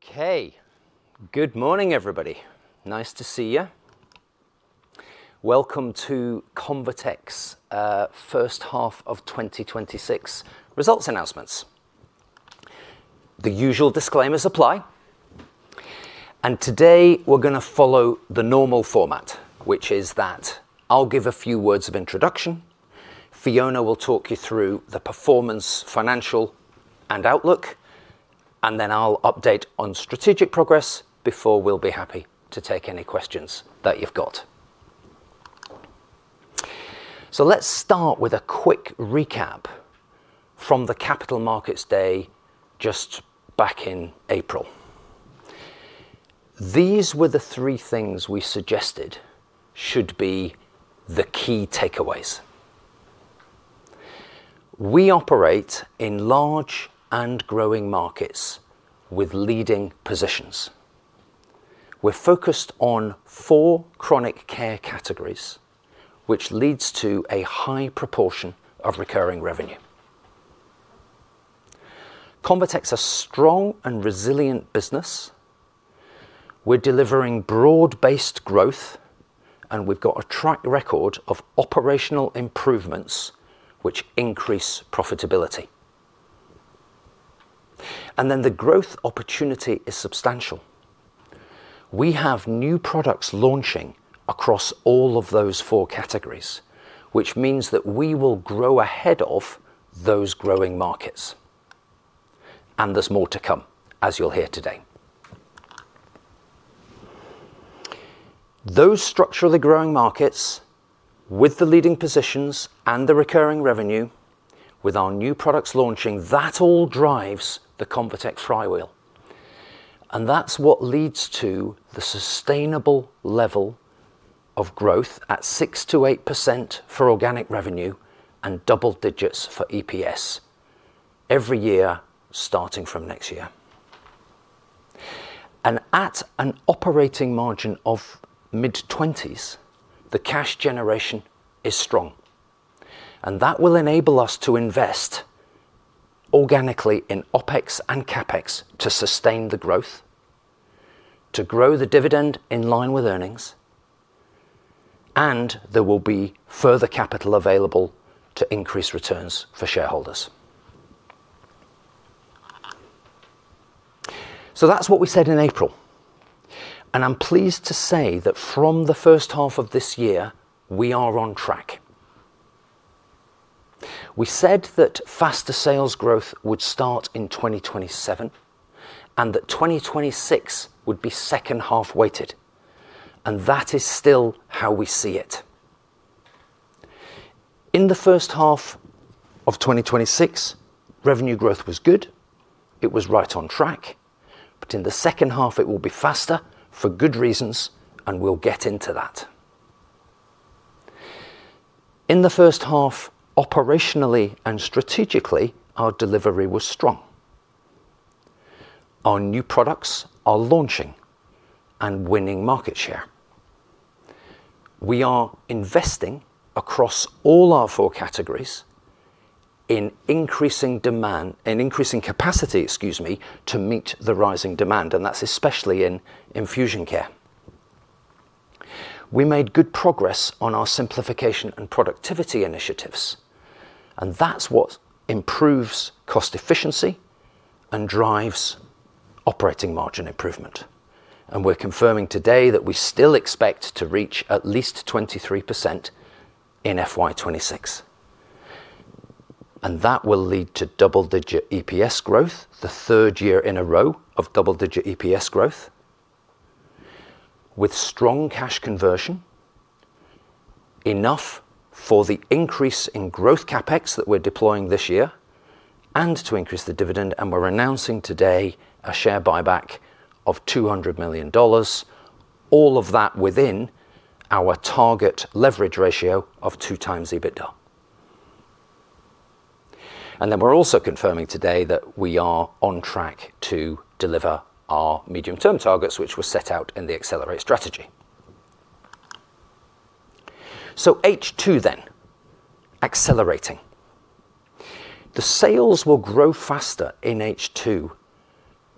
Okay. Good morning, everybody. Nice to see you. Welcome to ConvaTec's H1 of 2026 results announcements. The usual disclaimers apply. Today we're going to follow the normal format, which is that I'll give a few words of introduction, Fiona will talk you through the performance, financial, and outlook, then I'll update on strategic progress before we'll be happy to take any questions that you've got. Let's start with a quick recap from the Capital Markets Day just back in April. These were the three things we suggested should be the key takeaways. We operate in large and growing markets with leading positions. We're focused on four chronic care categories, which leads to a high proportion of recurring revenue. ConvaTec's a strong and resilient business. We're delivering broad-based growth, and we've got a track record of operational improvements, which increase profitability. The growth opportunity is substantial. We have new products launching across all of those four categories, which means that we will grow ahead of those growing markets. There's more to come, as you'll hear today. Those structurally growing markets with the leading positions and the recurring revenue, with our new products launching, that all drives the ConvaTec flywheel. That's what leads to the sustainable level of growth at 6%-8% for organic revenue and double digits for EPS every year starting from next year. At an operating margin of mid-20s, the cash generation is strong. That will enable us to invest organically in OpEx and CapEx to sustain the growth, to grow the dividend in line with earnings, and there will be further capital available to increase returns for shareholders. That's what we said in April. I'm pleased to say that from the H1 of this year, we are on track. We said that faster sales growth would start in 2027, and that 2026 would be H2 weighted, and that is still how we see it. In the H1 of 2026, revenue growth was good. It was right on track. In the H2 it will be faster for good reasons, and we'll get into that. In the H1, operationally and strategically, our delivery was strong. Our new products are launching and winning market share. We are investing across all our four categories in increasing capacity to meet the rising demand, and that's especially in Infusion Care. We made good progress on our simplification and productivity initiatives, and that's what improves cost efficiency and drives operating margin improvement. We're confirming today that we still expect to reach at least 23% in FY 2026. That will lead to double-digit EPS growth, the third year in a row of double-digit EPS growth. With strong cash conversion, enough for the increase in growth CapEx that we're deploying this year and to increase the dividend, and we're announcing today a share buyback of $200 million. All of that within our target leverage ratio of 2x EBITDA. We're also confirming today that we are on track to deliver our medium term targets, which were set out in the Accelerate strategy. H2 then. Accelerating. The sales will grow faster in H2,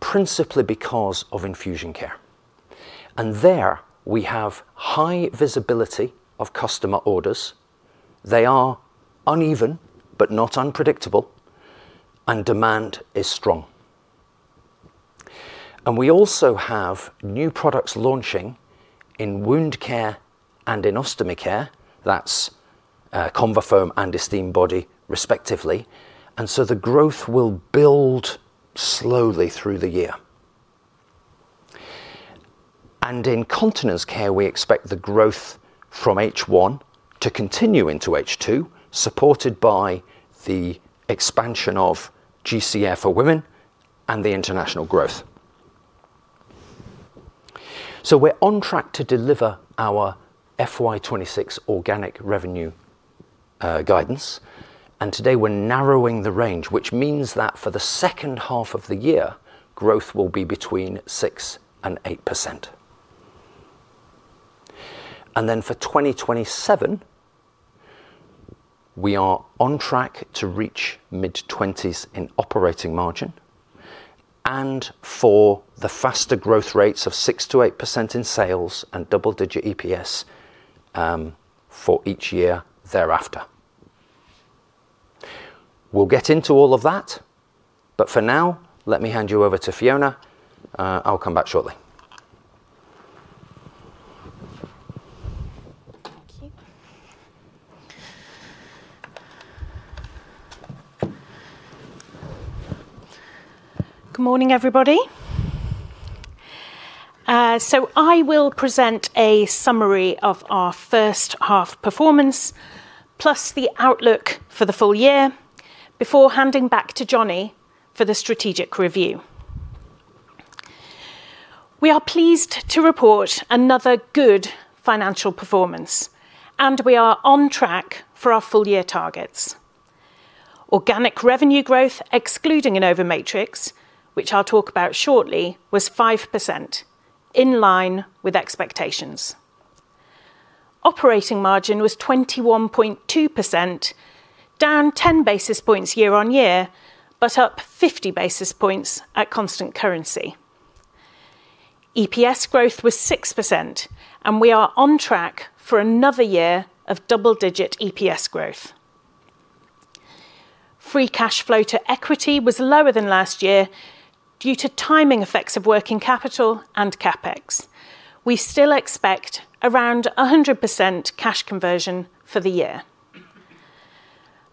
principally because of Infusion Care. There we have high visibility of customer orders. They are uneven but not unpredictable, and demand is strong. We also have new products launching in Wound Care and in Ostomy Care. That's ConvaFirm and Esteem Body, respectively. The growth will build slowly through the year. In Continence Care, we expect the growth from H1 to continue into H2, supported by the expansion of GentleCath Air for Women and the international growth. We're on track to deliver our FY 2026 organic revenue guidance. Today we're narrowing the range, which means that for the H2 of the year, growth will be between 6% and 8%. For 2027, we are on track to reach mid-20s in operating margin and for the faster growth rates of 6% to 8% in sales and double-digit EPS for each year thereafter. We'll get into all of that. For now, let me hand you over to Fiona. I'll come back shortly. Thank you. Good morning, everybody. I will present a summary of our H1 performance, plus the outlook for the full-year before handing back to Jonny for the strategic review. We are pleased to report another good financial performance. We are on track for our full-year targets. Organic revenue growth, excluding InnovaMatrix, which I'll talk about shortly, was 5%, in line with expectations. Operating margin was 21.2%, down 10 basis points year-on-year, up 50 basis points at constant currency. EPS growth was 6%. We are on track for another year of double-digit EPS growth. Free cash flow to equity was lower than last year due to timing effects of working capital and CapEx. We still expect around 100% cash conversion for the year.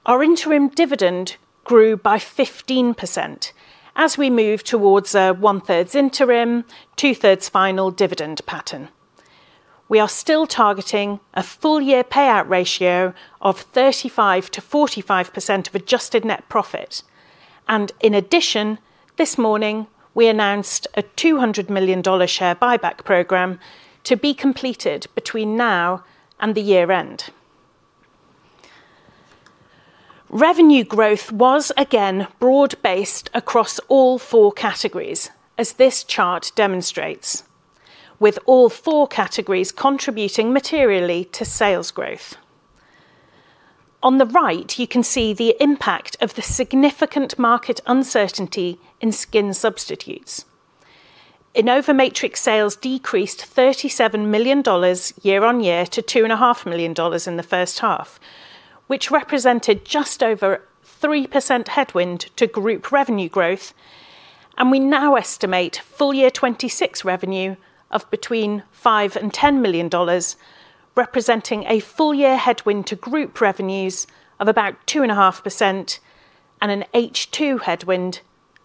Our interim dividend grew by 15% as we move towards a one-thirds interim, two-thirds final dividend pattern. We are still targeting a full-year payout ratio of 35%-45% of adjusted net profit. In addition, this morning, we announced a $200 million share buyback program to be completed between now and the year-end. Revenue growth was again broad-based across all four categories, as this chart demonstrates, with all four categories contributing materially to sales growth. On the right, you can see the impact of the significant market uncertainty in skin substitutes. InnovaMatrix sales decreased GBP 37 million year-on-year to GBP 2.5 million in the H1, which represented just over 3% headwind to group revenue growth. We now estimate full-year 2026 revenue of between 5 million and GBP 10 million, representing a full-year headwind to group revenues of about 2.5% and an H2 headwind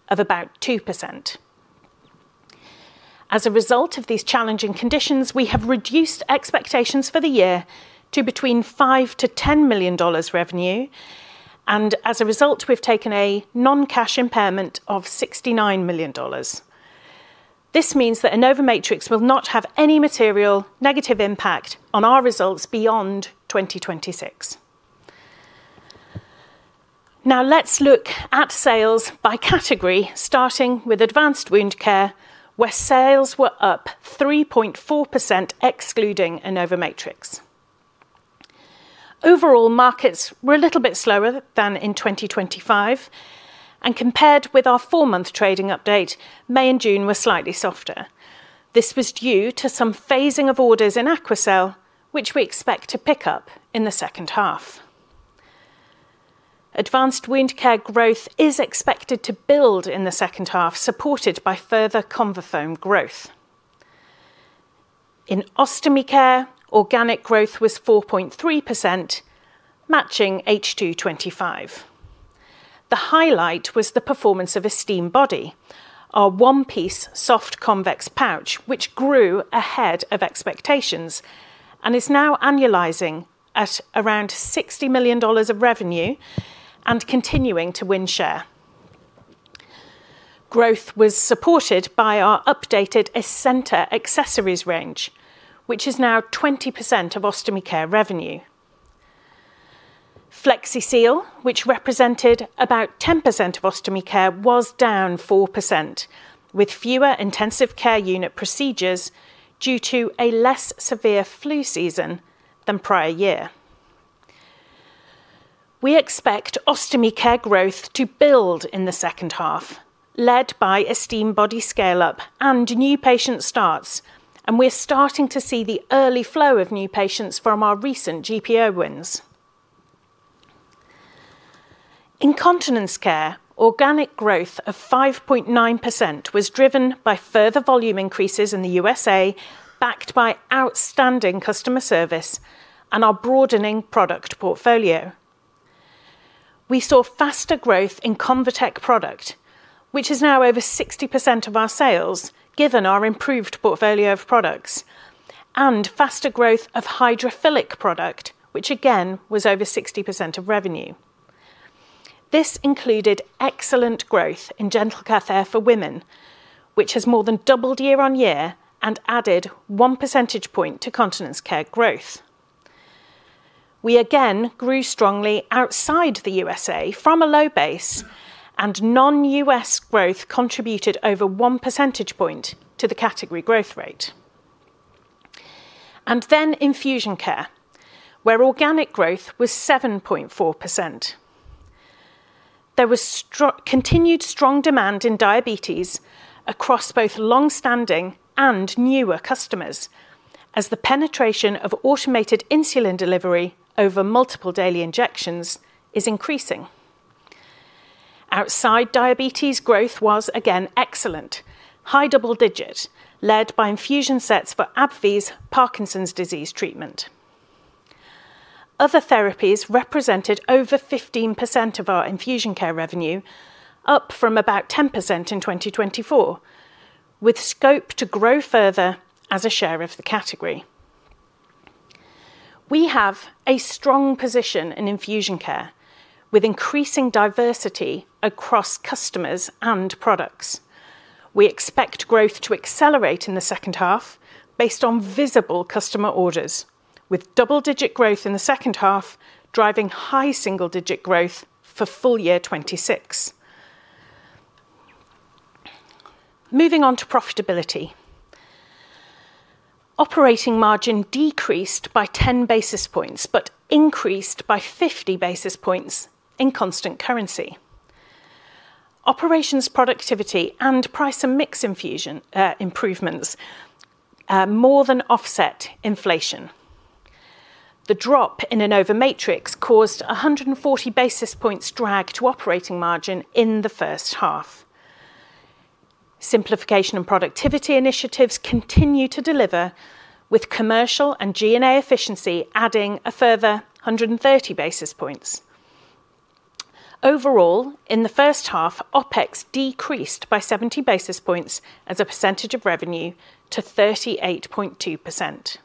of about 2%. As a result of these challenging conditions, we have reduced expectations for the year to between 5 million to GBP 10 million revenue. As a result, we've taken a non-cash impairment of GBP 69 million. This means that InnovaMatrix will not have any material negative impact on our results beyond 2026. Let's look at sales by category, starting with advanced wound care, where sales were up 3.4%, excluding InnovaMatrix. Overall markets were a little bit slower than in 2025. Compared with our four-month trading update, May and June were slightly softer. This was due to some phasing of orders in AQUACEL, which we expect to pick up in the H2. Advanced wound care growth is expected to build in the H2, supported by further ConvaFoam growth. In ostomy care, organic growth was 4.3%, matching H2 2025. The highlight was the performance of Esteem Body, our one-piece soft convex pouch, which grew ahead of expectations and is now annualizing at around $60 million of revenue and continuing to win share. Growth was supported by our updated ESENTA accessories range, which is now 20% of Ostomy Care revenue. Flexi-Seal, which represented about 10% of Ostomy Care, was down 4%, with fewer intensive care unit procedures due to a less severe flu season than prior year. We expect Ostomy Care growth to build in the H2, led by Esteem Body scale-up and new patient starts, and we're starting to see the early flow of new patients from our recent GPO wins. Incontinence Care, organic growth of 5.9% was driven by further volume increases in the USA, backed by outstanding customer service and our broadening product portfolio. We saw faster growth in ConvaTec product, which is now over 60% of our sales, given our improved portfolio of products, and faster growth of hydrophilic product, which again was over 60% of revenue. This included excellent growth in GentleCath Air for Women, which has more than doubled year-on-year and added one percentage point to Continence Care growth. We again grew strongly outside the USA from a low base, and non-U.S. growth contributed over one percentage point to the category growth rate. Infusion Care, where organic growth was 7.4%. There was continued strong demand in diabetes across both longstanding and newer customers, as the penetration of automated insulin delivery over multiple daily injections is increasing. Outside diabetes, growth was again excellent. High double digit, led by infusion sets for AbbVie's Parkinson's disease treatment. Other therapies represented over 15% of our Infusion Care revenue, up from about 10% in 2024, with scope to grow further as a share of the category. We have a strong position in Infusion Care, with increasing diversity across customers and products. We expect growth to accelerate in the H2 based on visible customer orders, with double-digit growth in the H2, driving high single-digit growth for full-year 2026. Moving on to profitability. Operating margin decreased by 10 basis points, but increased by 50 basis points in constant currency. Operations productivity and price and mix improvements more than offset inflation. The drop in InnovaMatrix caused 140 basis points drag to operating margin in the H1. Simplification and productivity initiatives continue to deliver, with commercial and G&A efficiency adding a further 130 basis points. Overall, in the H1, OpEx decreased by 70 basis points as a percentage of revenue to 38.2%.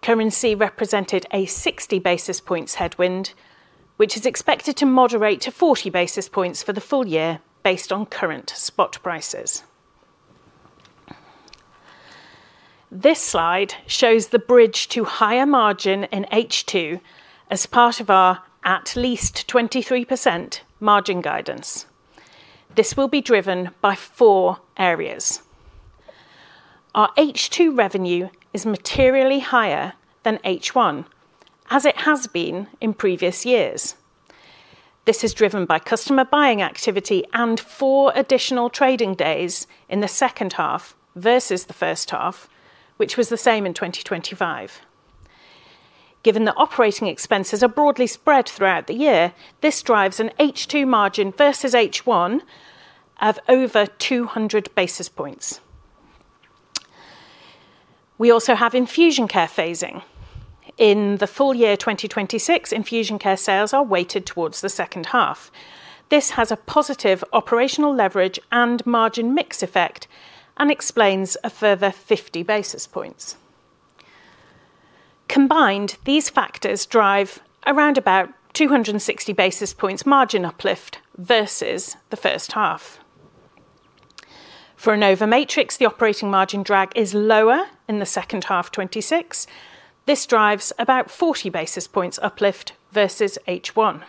Currency represented a 60 basis points headwind, which is expected to moderate to 40 basis points for the full-year based on current spot prices. This slide shows the bridge to higher margin in H2 as part of our at least 23% margin guidance. This will be driven by four areas. Our H2 revenue is materially higher than H1, as it has been in previous years. This is driven by customer buying activity and four additional trading days in the H2 versus the H1, which was the same in 2025. Given that operating expenses are broadly spread throughout the year, this drives an H2 margin versus H1 of over 200 basis points. We also have Infusion Care phasing. In the full-year 2026, Infusion Care sales are weighted towards the H2. This has a positive operational leverage and margin mix effect and explains a further 50 basis points. Combined, these factors drive around about 260 basis points margin uplift versus the H1. For InnovaMatrix, the operating margin drag is lower in the H2 2026. This drives about 40 basis points uplift versus H1.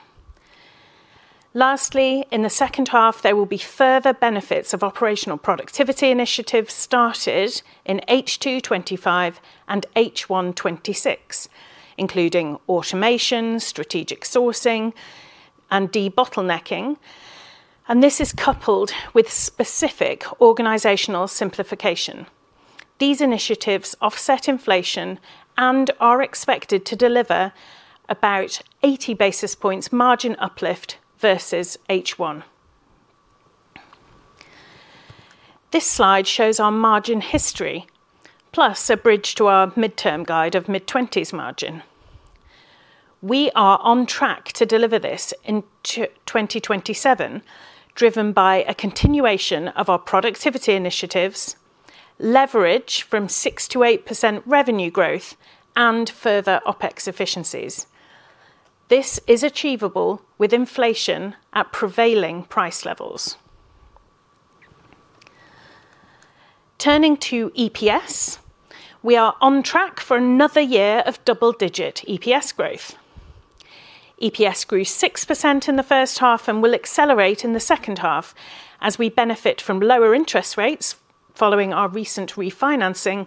Lastly, in the H2, there will be further benefits of operational productivity initiatives started in H2 2025 and H1 2026, including automation, strategic sourcing, and debottlenecking, and this is coupled with specific organizational simplification. These initiatives offset inflation and are expected to deliver about 80 basis points margin uplift versus H1. This slide shows our margin history, plus a bridge to our midterm guide of mid-20s margin. We are on track to deliver this in 2027, driven by a continuation of our productivity initiatives, leverage from 6%-8% revenue growth, and further OpEx efficiencies. This is achievable with inflation at prevailing price levels. Turning to EPS, we are on track for another year of double-digit EPS growth. EPS grew 6% in the H1 and will accelerate in the H2 as we benefit from lower interest rates following our recent refinancing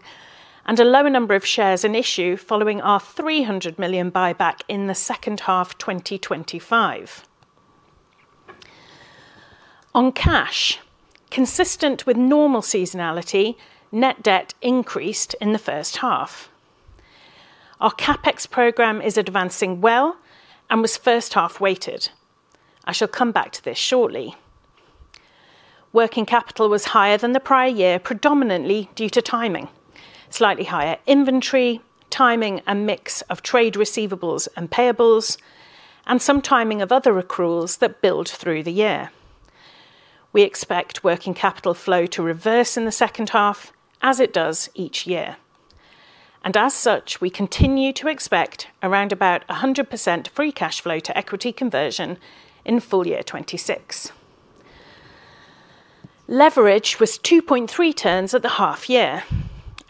and a lower number of shares in issue following our $300 million buyback in the H2 2025. On cash, consistent with normal seasonality, net debt increased in the H1. Our CapEx program is advancing well and was H1 weighted. I shall come back to this shortly. Working capital was higher than the prior year, predominantly due to timing, slightly higher inventory, timing and mix of trade receivables and payables, and some timing of other accruals that build through the year. We expect working capital flow to reverse in the H2, as it does each year. As such, we continue to expect around about 100% free cash flow to equity conversion in full-year 2026. Leverage was 2.3 turns at the half year.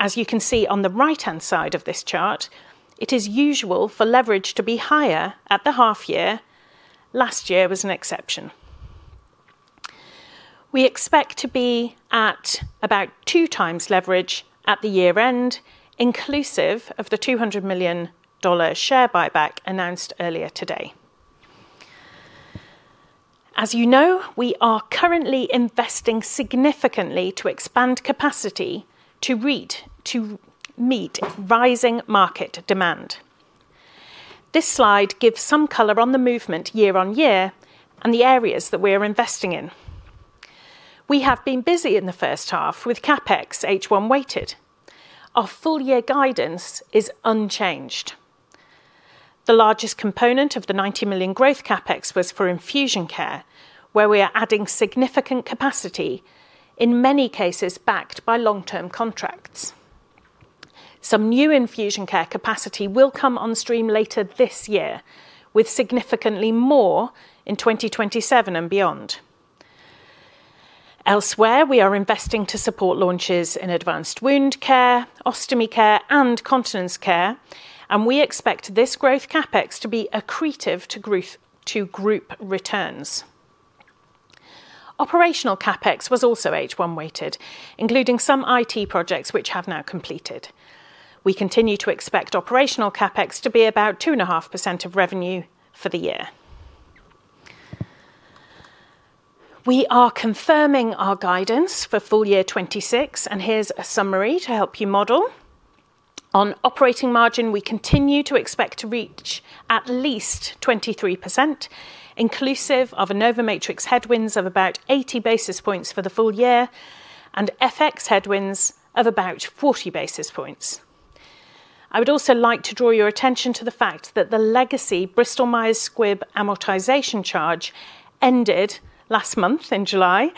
As you can see on the right-hand side of this chart, it is usual for leverage to be higher at the half year. Last year was an exception. We expect to be at about 2x leverage at the year end, inclusive of the $200 million share buyback announced earlier today. As you know, we are currently investing significantly to expand capacity to meet rising market demand. This slide gives some color on the movement year-over-year and the areas that we are investing in. We have been busy in the H1 with CapEx H1 weighted. Our full-year guidance is unchanged. The largest component of the $90 million growth CapEx was for Infusion Care, where we are adding significant capacity, in many cases backed by long-term contracts. Some new Infusion Care capacity will come on stream later this year, with significantly more in 2027 and beyond. Elsewhere, we are investing to support launches in Advanced Wound Care, Ostomy Care, and Continence Care, and we expect this growth CapEx to be accretive to group returns. Operational CapEx was also H1 weighted, including some IT projects which have now completed. We continue to expect operational CapEx to be about 2.5% of revenue for the year. We are confirming our guidance for full-year 2026. Here's a summary to help you model. On operating margin, we continue to expect to reach at least 23%, inclusive of InnovaMatrix headwinds of about 80 basis points for the full-year, and FX headwinds of about 40 basis points. I would also like to draw your attention to the fact that the legacy Bristol Myers Squibb amortization charge ended last month in July,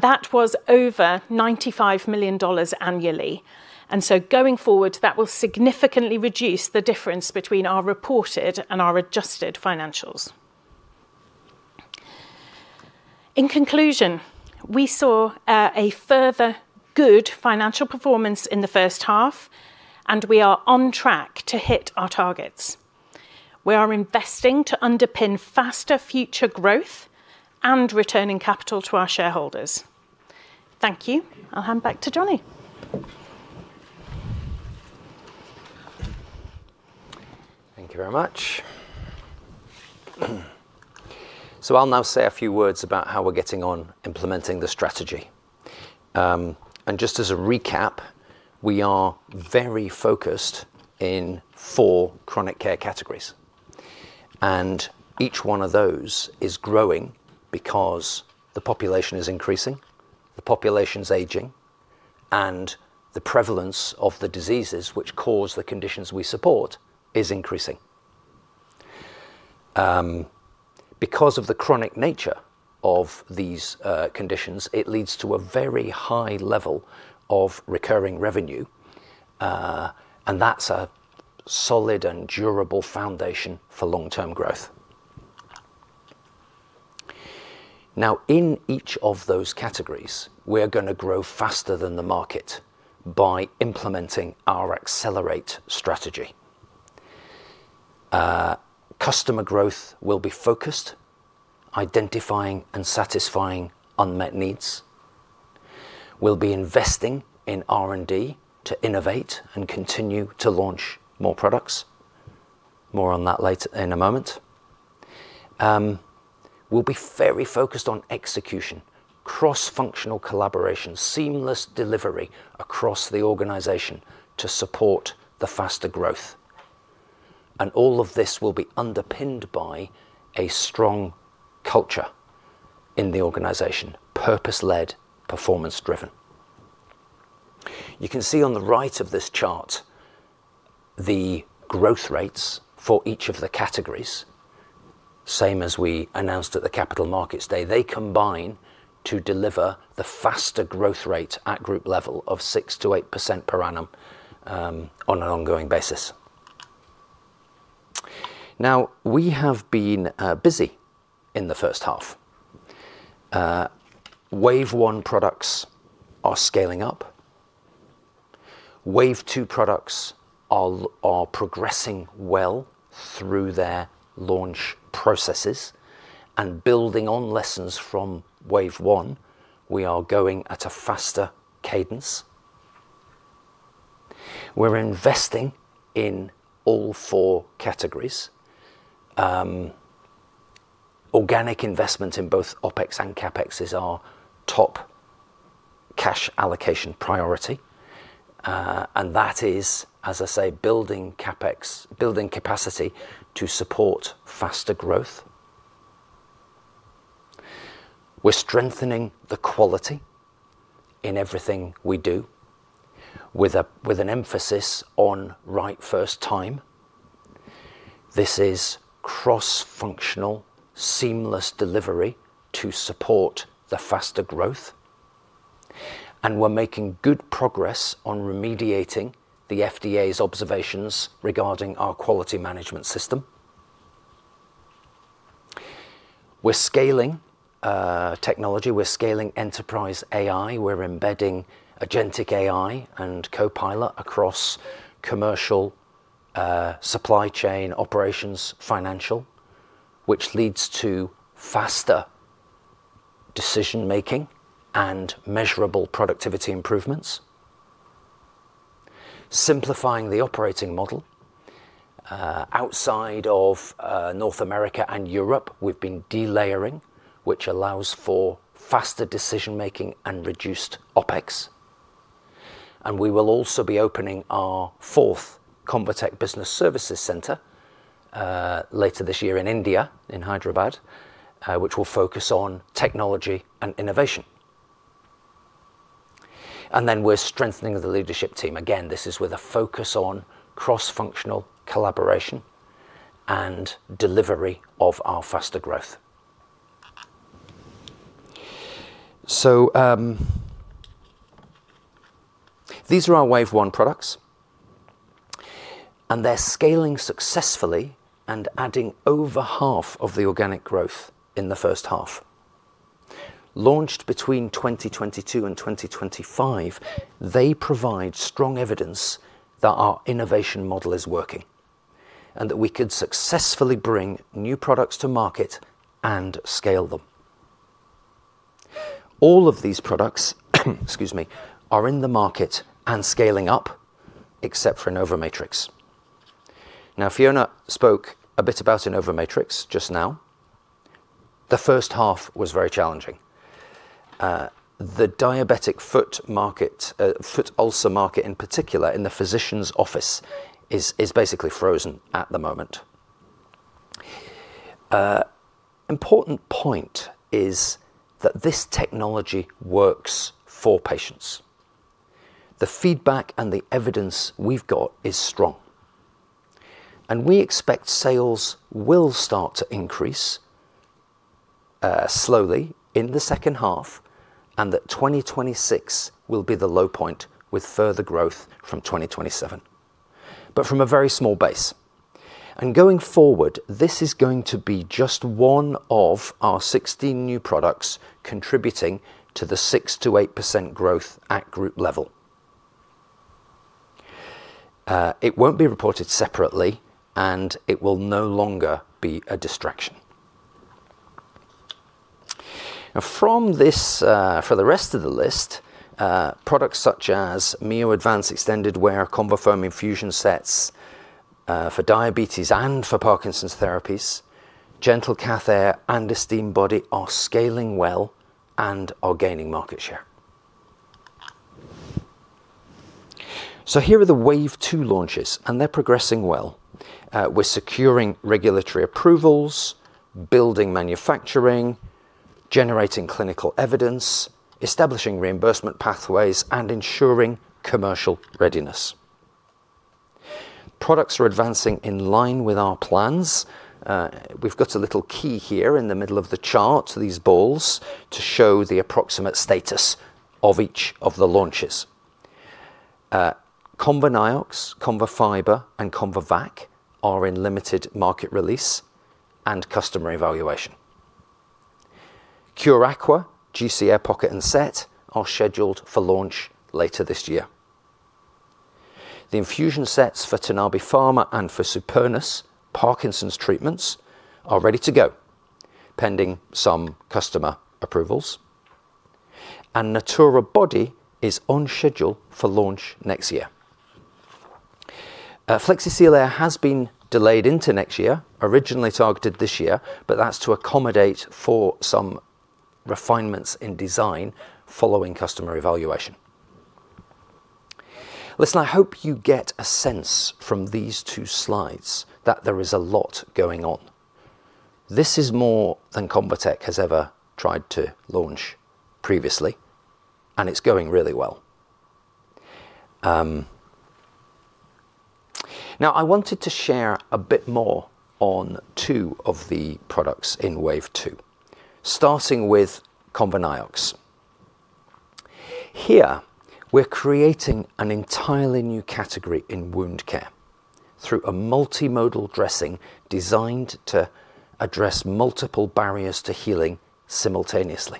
that was over $95 million annually. Going forward, that will significantly reduce the difference between our reported and our adjusted financials. In conclusion, we saw a further good financial performance in the H1. We are on track to hit our targets. We are investing to underpin faster future growth and returning capital to our shareholders. Thank you. I will hand back to Jonny. Thank you very much. I will now say a few words about how we're getting on implementing the strategy. Just as a recap, we are very focused in four chronic care categories. Each one of those is growing because the population is increasing, the population's aging, and the prevalence of the diseases which cause the conditions we support is increasing. Because of the chronic nature of these conditions, it leads to a very high level of recurring revenue, that's a solid and durable foundation for long-term growth. In each of those categories, we are going to grow faster than the market by implementing our Accelerate strategy. Customer growth will be focused, identifying and satisfying unmet needs. We will be investing in R&D to innovate and continue to launch more products. More on that later in a moment. We will be very focused on execution, cross-functional collaboration, seamless delivery across the organization to support the faster growth. All of this will be underpinned by a strong culture in the organization: purpose-led, performance-driven. You can see on the right of this chart the growth rates for each of the categories. Same as we announced at the Capital Markets Day. They combine to deliver the faster growth rate at group level of 6%-8% per annum on an ongoing basis. We have been busy in the H1. Wave One products are scaling up. Wave Two products are progressing well through their launch processes. Building on lessons from Wave One, we are going at a faster cadence. We are investing in all four categories. Organic investment in both OpEx and CapEx is our top cash allocation priority. That is, as I say, building capacity to support faster growth. We are strengthening the quality in everything we do with an emphasis on right first time. This is cross-functional seamless delivery to support the faster growth. We are making good progress on remediating the FDA's observations regarding our quality management system. We are scaling technology. We are scaling enterprise AI. We are embedding agentic AI and Copilot across commercial, supply chain operations, financial, which leads to faster decision-making and measurable productivity improvements. Simplifying the operating model. Outside of North America and Europe, we have been delayering, which allows for faster decision-making and reduced OpEx. We will also be opening our fourth ConvaTec Business Services center later this year in India, in Hyderabad, which will focus on technology and innovation. Then we are strengthening the leadership team. Again, this is with a focus on cross-functional collaboration and delivery of our faster growth. These are our wave one products, they're scaling successfully and adding over half of the organic growth in the H1. Launched between 2022 and 2025, they provide strong evidence that our innovation model is working, that we could successfully bring new products to market and scale them. All of these products excuse me, are in the market and scaling up except for InnovaMatrix. Fiona spoke a bit about InnovaMatrix just now. The H1 was very challenging. The diabetic foot ulcer market in particular in the physician's office is basically frozen at the moment. Important point is that this technology works for patients. The feedback and the evidence we've got is strong, we expect sales will start to increase slowly in the H2 and that 2026 will be the low point with further growth from 2027, but from a very small base. Going forward, this is going to be just one of our 16 new products contributing to the 6%-8% growth at group level. It won't be reported separately, it will no longer be a distraction. For the rest of the list, products such as Mio Advance extended wear, ConvaFirm infusion sets for diabetes and for Parkinson's therapies, GentleCath Air and Esteem Body are scaling well and are gaining market share. Here are the wave two launches, they're progressing well. We're securing regulatory approvals, building manufacturing, generating clinical evidence, establishing reimbursement pathways, and ensuring commercial readiness. Products are advancing in line with our plans. We've got a little key here in the middle of the chart, these balls, to show the approximate status of each of the launches. ConvaNiox, ConvaFiber, and ConvaVAC are in limited market release and customer evaluation. Cure Aqua, GentleCath Air Pocket and Set are scheduled for launch later this year. The infusion sets for Tanabe Pharma and for Supernus Parkinson's treatments are ready to go pending some customer approvals. Natura Body is on schedule for launch next year. Flexi-Seal Air has been delayed into next year, originally targeted this year, but that's to accommodate for some refinements in design following customer evaluation. Listen, I hope you get a sense from these two slides that there is a lot going on. This is more than ConvaTec has ever tried to launch previously, it's going really well. I wanted to share a bit more on two of the products in wave two, starting with ConvaNiox. Here, we're creating an entirely new category in wound care through a multimodal dressing designed to address multiple barriers to healing simultaneously.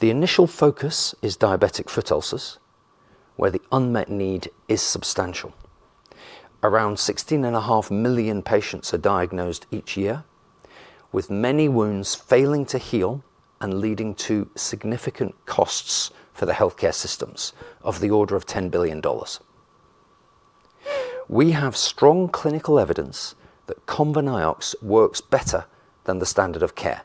The initial focus is diabetic foot ulcers, where the unmet need is substantial. Around 16.5 million patients are diagnosed each year, with many wounds failing to heal and leading to significant costs for the healthcare systems of the order of GBP 10 billion. We have strong clinical evidence that ConvaNiox works better than the standard of care.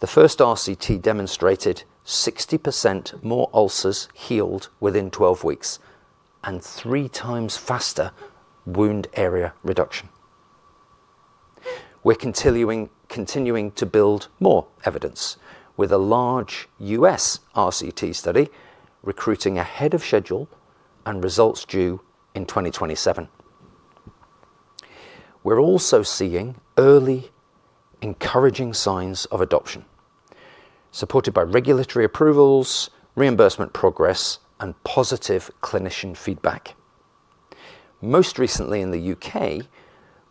The first RCT demonstrated 60% more ulcers healed within 12 weeks and 3x faster wound area reduction. We're continuing to build more evidence with a large U.S. RCT study recruiting ahead of schedule and results due in 2027. We're also seeing early encouraging signs of adoption. Supported by regulatory approvals, reimbursement progress, and positive clinician feedback. Most recently in the U.K.,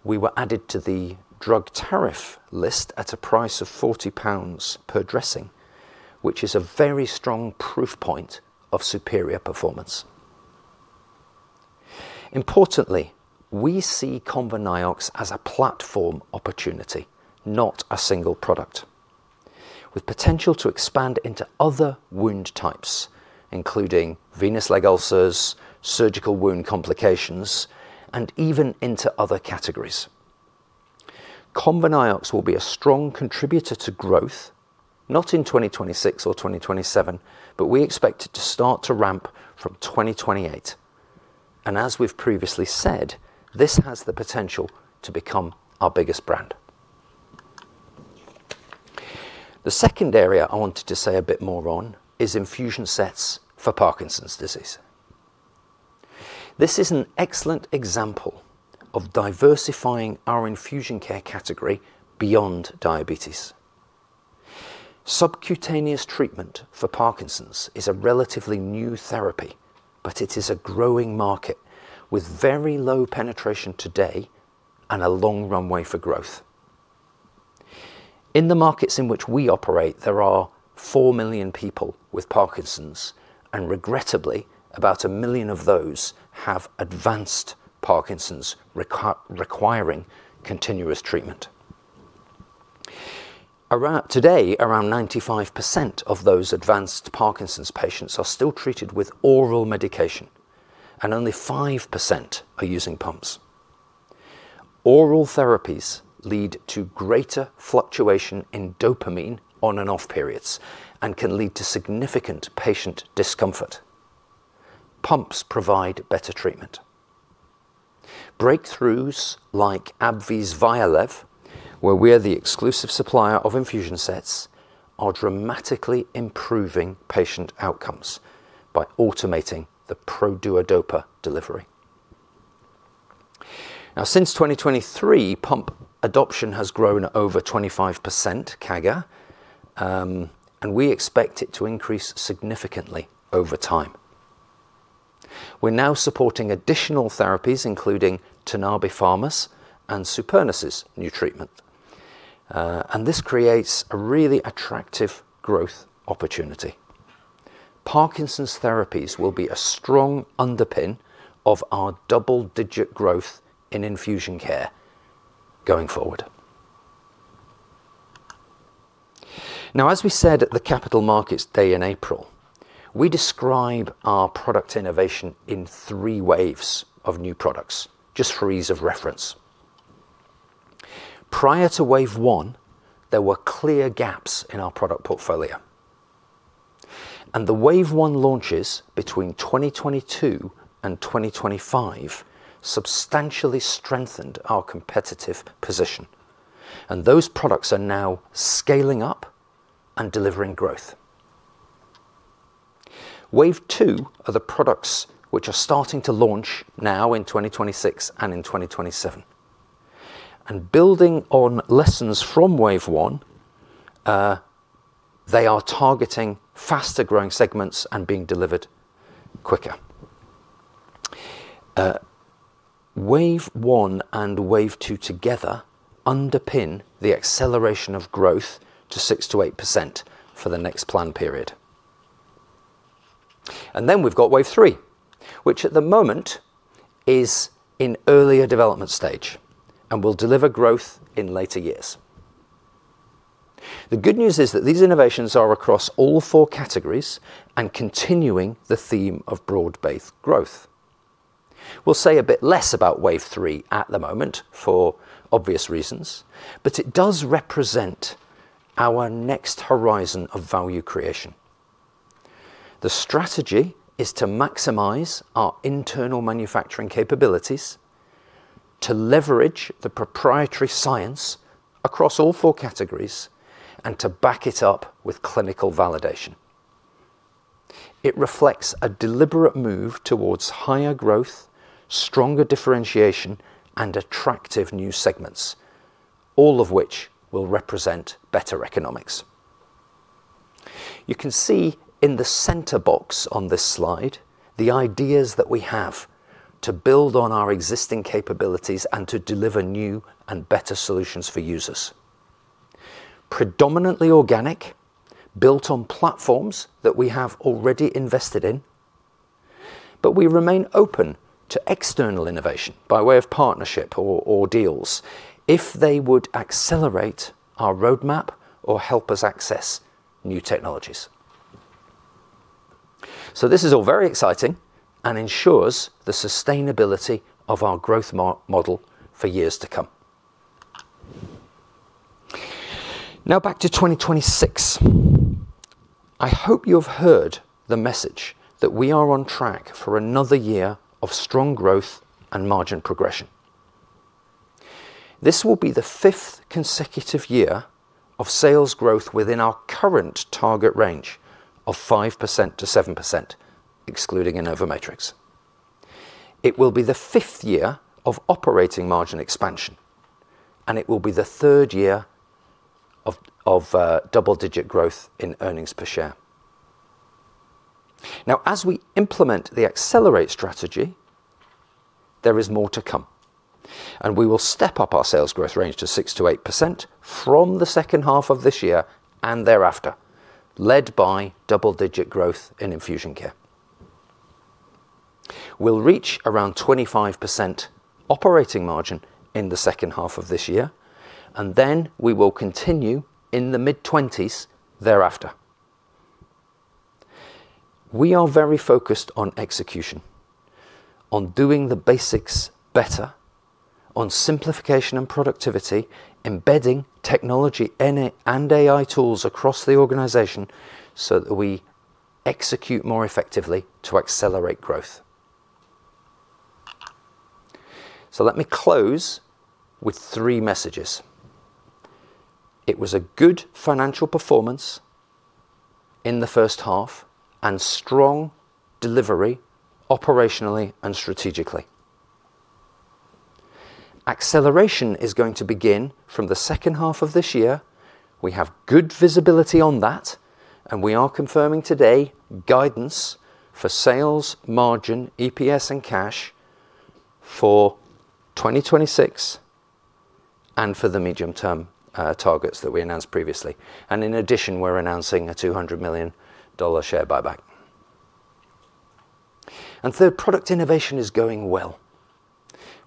we were added to the Drug Tariff list at a price of 40 pounds per dressing, which is a very strong proof point of superior performance. Importantly, we see ConvaNiox as a platform opportunity, not a single product, with potential to expand into other wound types, including venous leg ulcers, surgical wound complications, and even into other categories. ConvaNiox will be a strong contributor to growth, not in 2026 or 2027, but we expect it to start to ramp from 2028. As we've previously said, this has the potential to become our biggest brand. The second area I wanted to say a bit more on is infusion sets for Parkinson's disease. This is an excellent example of diversifying our Infusion Care category beyond diabetes. Subcutaneous treatment for Parkinson's is a relatively new therapy, but it is a growing market with very low penetration today and a long runway for growth. In the markets in which we operate, there are 4 million people with Parkinson's, and regrettably, about 1 million of those have advanced Parkinson's, requiring continuous treatment. Today, around 95% of those advanced Parkinson's patients are still treated with oral medication, and only 5% are using pumps. Oral therapies lead to greater fluctuation in dopamine on and off periods and can lead to significant patient discomfort. Pumps provide better treatment. Breakthroughs like AbbVie's VYALEV, where we are the exclusive supplier of infusion sets, are dramatically improving patient outcomes by automating the PRODUODOPA delivery. Since 2023, pump adoption has grown over 25% CAGR, and we expect it to increase significantly over time. We're now supporting additional therapies, including Tanabe Pharma's and Supernus' new treatment. This creates a really attractive growth opportunity. Parkinson's therapies will be a strong underpin of our double-digit growth in Infusion Care going forward. As we said at the Capital Markets Day in April, we describe our product innovation in three waves of new products, just for ease of reference. Prior to wave one, there were clear gaps in our product portfolio. The wave one launches between 2022 and 2025 substantially strengthened our competitive position, and those products are now scaling up and delivering growth. Wave two are the products which are starting to launch now in 2026 and in 2027. Building on lessons from wave one, they are targeting faster growing segments and being delivered quicker. Wave one and wave two together underpin the acceleration of growth to 6%-8% for the next plan period. We've got wave three, which at the moment is in earlier development stage and will deliver growth in later years. The good news is that these innovations are across all four categories and continuing the theme of broad-based growth. We'll say a bit less about wave three at the moment, for obvious reasons, but it does represent our next horizon of value creation. The strategy is to maximize our internal manufacturing capabilities to leverage the proprietary science across all four categories and to back it up with clinical validation. It reflects a deliberate move towards higher growth, stronger differentiation, and attractive new segments, all of which will represent better economics. You can see in the center box on this slide the ideas that we have to build on our existing capabilities and to deliver new and better solutions for users. Predominantly organic, built on platforms that we have already invested in, we remain open to external innovation by way of partnership or deals if they would Accelerate our roadmap or help us access new technologies. This is all very exciting and ensures the sustainability of our growth model for years to come. Back to 2026. I hope you've heard the message that we are on track for another year of strong growth and margin progression. This will be the fifth consecutive year of sales growth within our current target range of 5%-7%, excluding InnovaMatrix. It will be the fifth year of operating margin expansion, and it will be the third year of double-digit growth in earnings per share. As we implement the Accelerate strategy, there is more to come. We will step up our sales growth range to 6%-8% from the H2 of this year and thereafter, led by double-digit growth in Infusion Care. We'll reach around 25% operating margin in the H2 of this year, we will continue in the mid-20s thereafter. We are very focused on execution, on doing the basics better, on simplification and productivity, embedding technology and AI tools across the organization so that we execute more effectively to accelerate growth. Let me close with three messages. It was a good financial performance in the H1 and strong delivery operationally and strategically. Acceleration is going to begin from the H2 of this year. We have good visibility on that, and we are confirming today guidance for sales, margin, EPS, and cash for 2026 and for the medium-term targets that we announced previously. In addition, we're announcing a $200 million share buyback. Third, product innovation is going well.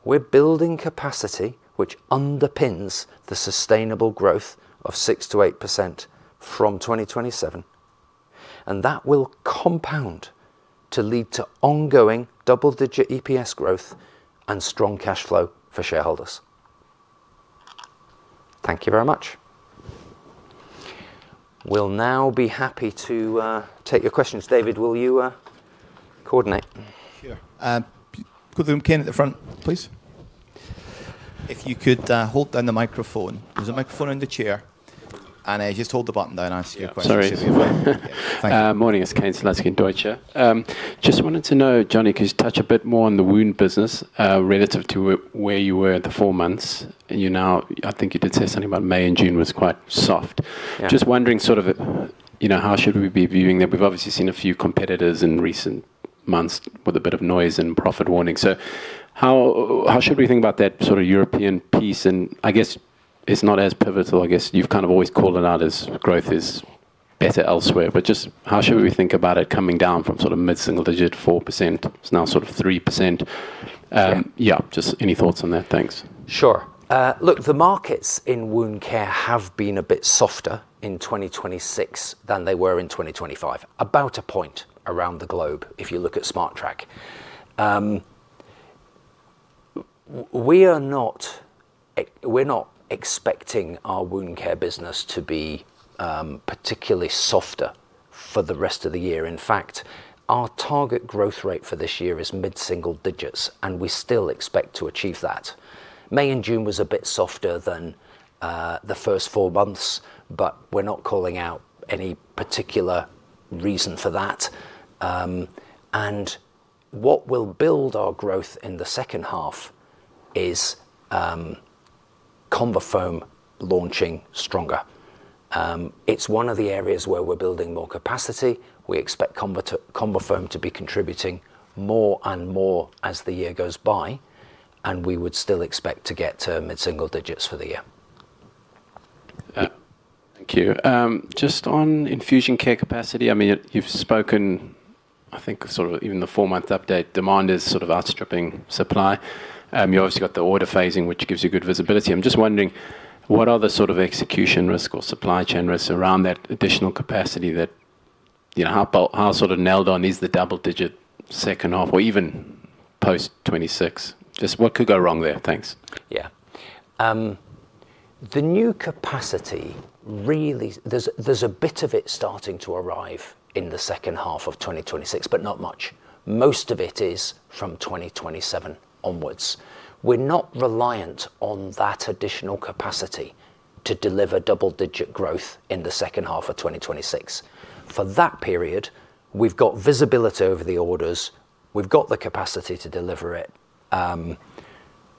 We're building capacity, which underpins the sustainable growth of 6%-8% from 2027, that will compound to lead to ongoing double-digit EPS growth and strong cash flow for shareholders. Thank you very much. We'll now be happy to take your questions. David, will you coordinate? Sure. Put the mic to Kane at the front, please. If you could hold down the microphone. There's a microphone in the chair. Just hold the button down and ask your question. Sorry. Thank you. Morning, it's Kane Slutzkin, Deutsche. Wanted to know, Jonny, could you touch a bit more on the wound business, relative to where you were at the four months? I think you did say something about May and June was quite soft. Yeah. Wondering sort of how should we be viewing that. We've obviously seen a few competitors in recent months with a bit of noise and profit warning. How should we think about that sort of European piece? I guess it's not as pivotal, I guess you've kind of always called it out as growth is better elsewhere. Just how should we think about it coming down from sort of mid-single digit 4%? It's now sort of 3%. Yeah. Any thoughts on that? Thanks. Sure. Look, the markets in wound care have been a bit softer in 2026 than they were in 2025, about a point around the globe if you look at SmartTRAK. We're not expecting our wound care business to be particularly softer for the rest of the year. In fact, our target growth rate for this year is mid-single digits, and we still expect to achieve that. May and June was a bit softer than the first four months, but we're not calling out any particular reason for that. What will build our growth in the H2 is ConvaFoam launching stronger. It's one of the areas where we're building more capacity. We expect ConvaFoam to be contributing more and more as the year goes by, and we would still expect to get to mid-single digits for the year. Thank you. Just on Infusion Care capacity. You've spoken, I think sort of even the four-month update demand is sort of outstripping supply. You obviously got the order phasing, which gives you good visibility. I'm just wondering what other sort of execution risk or supply chain risks around that additional capacity that how sort of nailed on is the double-digit H2 or even post 2026? Just what could go wrong there? Thanks. Yeah. The new capacity, there's a bit of it starting to arrive in the H2 of 2026, but not much. Most of it is from 2027 onwards. We're not reliant on that additional capacity to deliver double-digit growth in the H2 of 2026. For that period, we've got visibility over the orders. We've got the capacity to deliver it.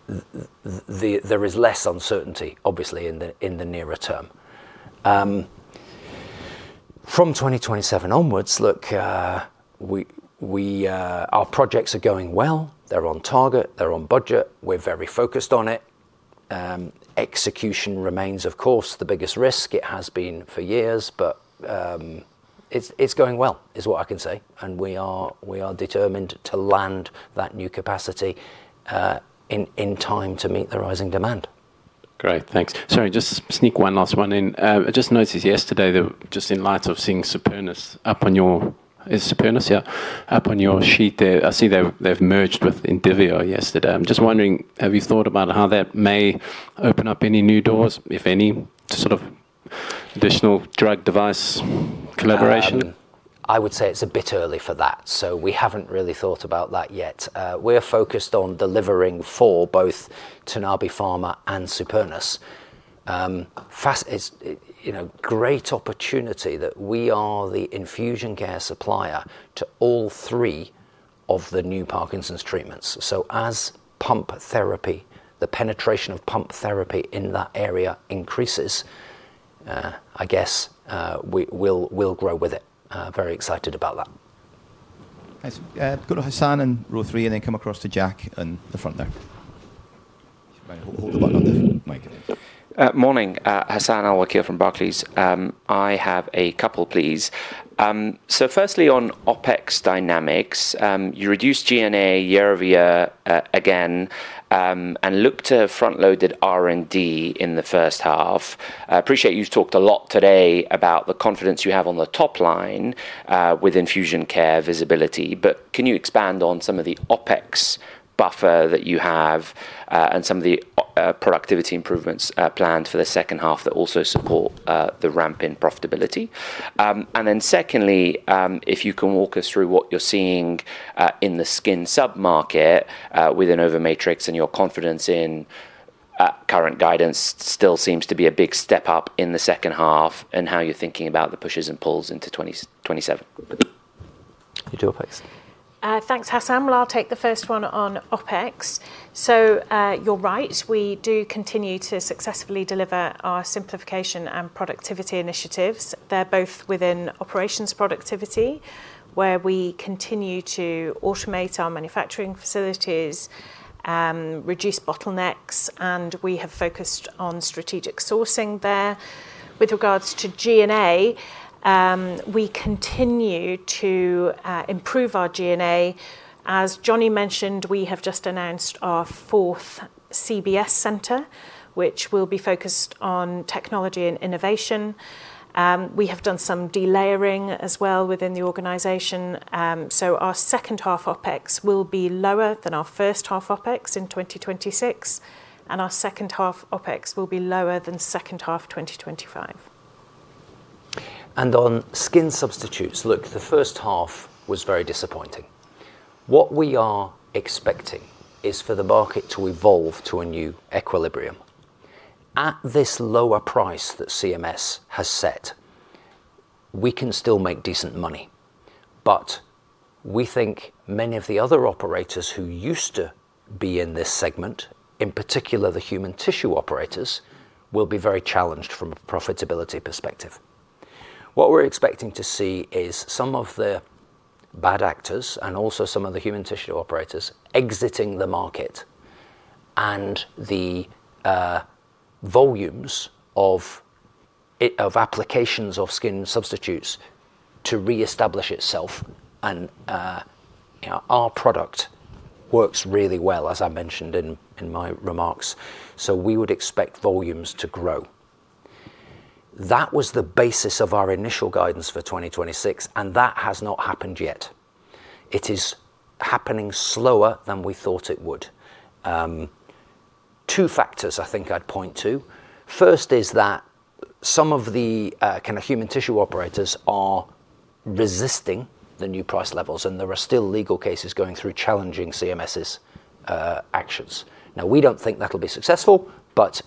There is less uncertainty, obviously, in the nearer term. From 2027 onwards, look, our projects are going well. They're on target. They're on budget. We're very focused on it. Execution remains, of course, the biggest risk. It has been for years, but it's going well is what I can say, and we are determined to land that new capacity in time to meet the rising demand. Great. Thanks. Sorry, just sneak one last one in. I just noticed yesterday that just in light of seeing Supernus up on your Is it Supernus, yeah? Up on your sheet there, I see they've merged with Indivior yesterday. I'm just wondering, have you thought about how that may open up any new doors, if any sort of additional drug device collaboration? I would say it's a bit early for that. We haven't really thought about that yet. We're focused on delivering for both Tanabe Pharma and Supernus. It's a great opportunity that we are the Infusion Care supplier to all three of the new Parkinson's treatments. As the penetration of pump therapy in that area increases, I guess we'll grow with it. Very excited about that. Let's go to Hassan in row three and then come across to Jack in the front there. Hold the button on the mic. Morning. Hassan Al-Wakeel from Barclays. I have a couple, please. Firstly, on OpEx dynamics. You reduced G&A year-over-year, again, and looked to have front-loaded R&D in the H1. I appreciate you've talked a lot today about the confidence you have on the top line with Infusion Care visibility, can you expand on some of the OpEx buffer that you have and some of the productivity improvements planned for the H2 that also support the ramp in profitability? Secondly, if you can walk us through what you're seeing in the skin sub-market with InnovaMatrix and your confidence in current guidance still seems to be a big step up in the H2, and how you're thinking about the pushes and pulls into 2027. To you, OpEx. Thanks, Hassan. I'll take the first one on OpEx. You're right, we do continue to successfully deliver our simplification and productivity initiatives. They're both within operations productivity, where we continue to automate our manufacturing facilities, reduce bottlenecks, and we have focused on strategic sourcing there. With regards to G&A, we continue to improve our G&A. As Jonny mentioned, we have just announced our fourth CBS center, which will be focused on technology and innovation. We have done some delayering as well within the organization. Our H2 OpEx will be lower than our H1 OpEx in 2026, and our H2 OpEx will be lower than H2 2025. On skin substitutes, the H1 was very disappointing. What we are expecting is for the market to evolve to a new equilibrium. At this lower price that CMS has set, we can still make decent money. We think many of the other operators who used to be in this segment, in particular the human tissue operators, will be very challenged from a profitability perspective. What we're expecting to see is some of the bad actors and also some of the human tissue operators exiting the market, and the volumes of applications of skin substitutes to reestablish itself. Our product works really well, as I mentioned in my remarks. We would expect volumes to grow. That was the basis of our initial guidance for 2026, that has not happened yet. It is happening slower than we thought it would. Two factors I think I'd point to. First is that some of the human tissue operators are resisting the new price levels, and there are still legal cases going through challenging CMS's actions. We don't think that'll be successful,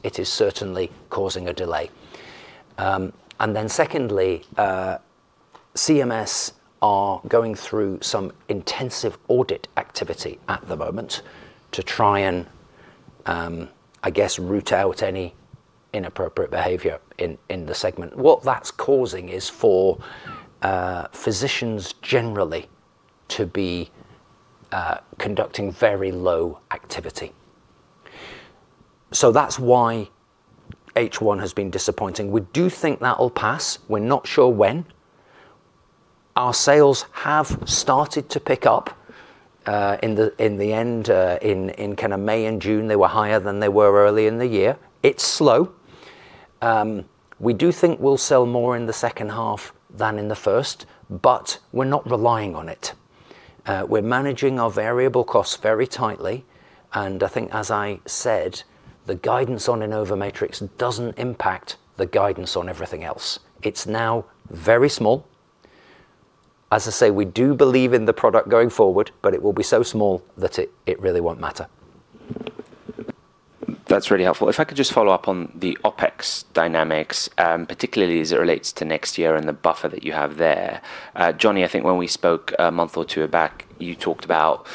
it is certainly causing a delay. Secondly, CMS are going through some intensive audit activity at the moment to try and root out any inappropriate behavior in the segment. What that's causing is for physicians generally to be conducting very low activity. That's why H1 has been disappointing. We do think that'll pass. We're not sure when. Our sales have started to pick up in the end. In May and June, they were higher than they were early in the year. It's slow. We do think we'll sell more in the H2 than in the first, we're not relying on it. We're managing our variable costs very tightly, I think, as I said, the guidance on InnovaMatrix doesn't impact the guidance on everything else. It's now very small. We do believe in the product going forward, it will be so small that it really won't matter. That's really helpful. If I could just follow up on the OpEx dynamics, particularly as it relates to next year and the buffer that you have there. Jonny, I think when we spoke a month or two back, you talked about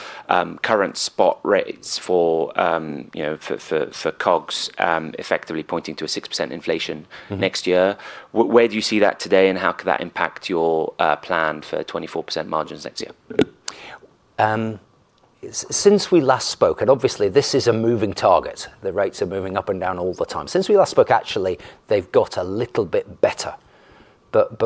current spot rates for COGS, effectively pointing to a 6% inflation next year. Where do you see that today, and how could that impact your plan for 24% margins next year? Since we last spoke, obviously this is a moving target. The rates are moving up and down all the time. Since we last spoke, actually, they've got a little bit better.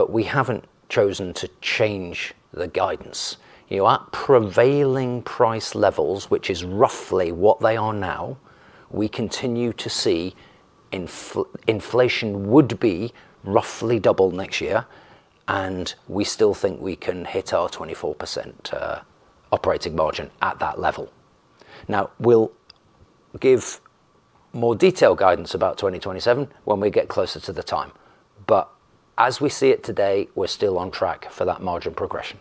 We haven't chosen to change the guidance. At prevailing price levels, which is roughly what they are now, we continue to see inflation would be roughly double next year, and we still think we can hit our 24% operating margin at that level. We'll give more detailed guidance about 2027 when we get closer to the time. As we see it today, we're still on track for that margin progression.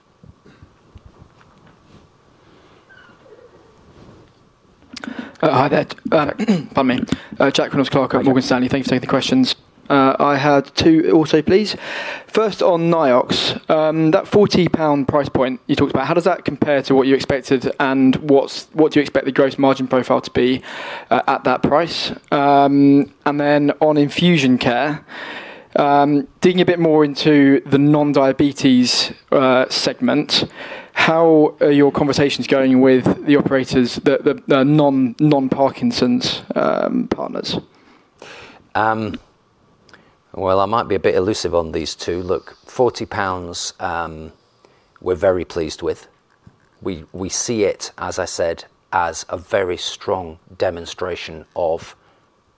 Hi there. Pardon me. Jack Reynolds-Clark at Morgan Stanley. Thanks for taking the questions. I had two also, please. First on Niox. That 40 pound price point you talked about, how does that compare to what you expected and what do you expect the gross margin profile to be at that price? Then on Infusion Care, digging a bit more into the non-diabetes segment, how are your conversations going with the operators, the non-Parkinson's partners? Well, I might be a bit elusive on these two. Look, 40 pounds, we're very pleased with. We see it, as I said, as a very strong demonstration of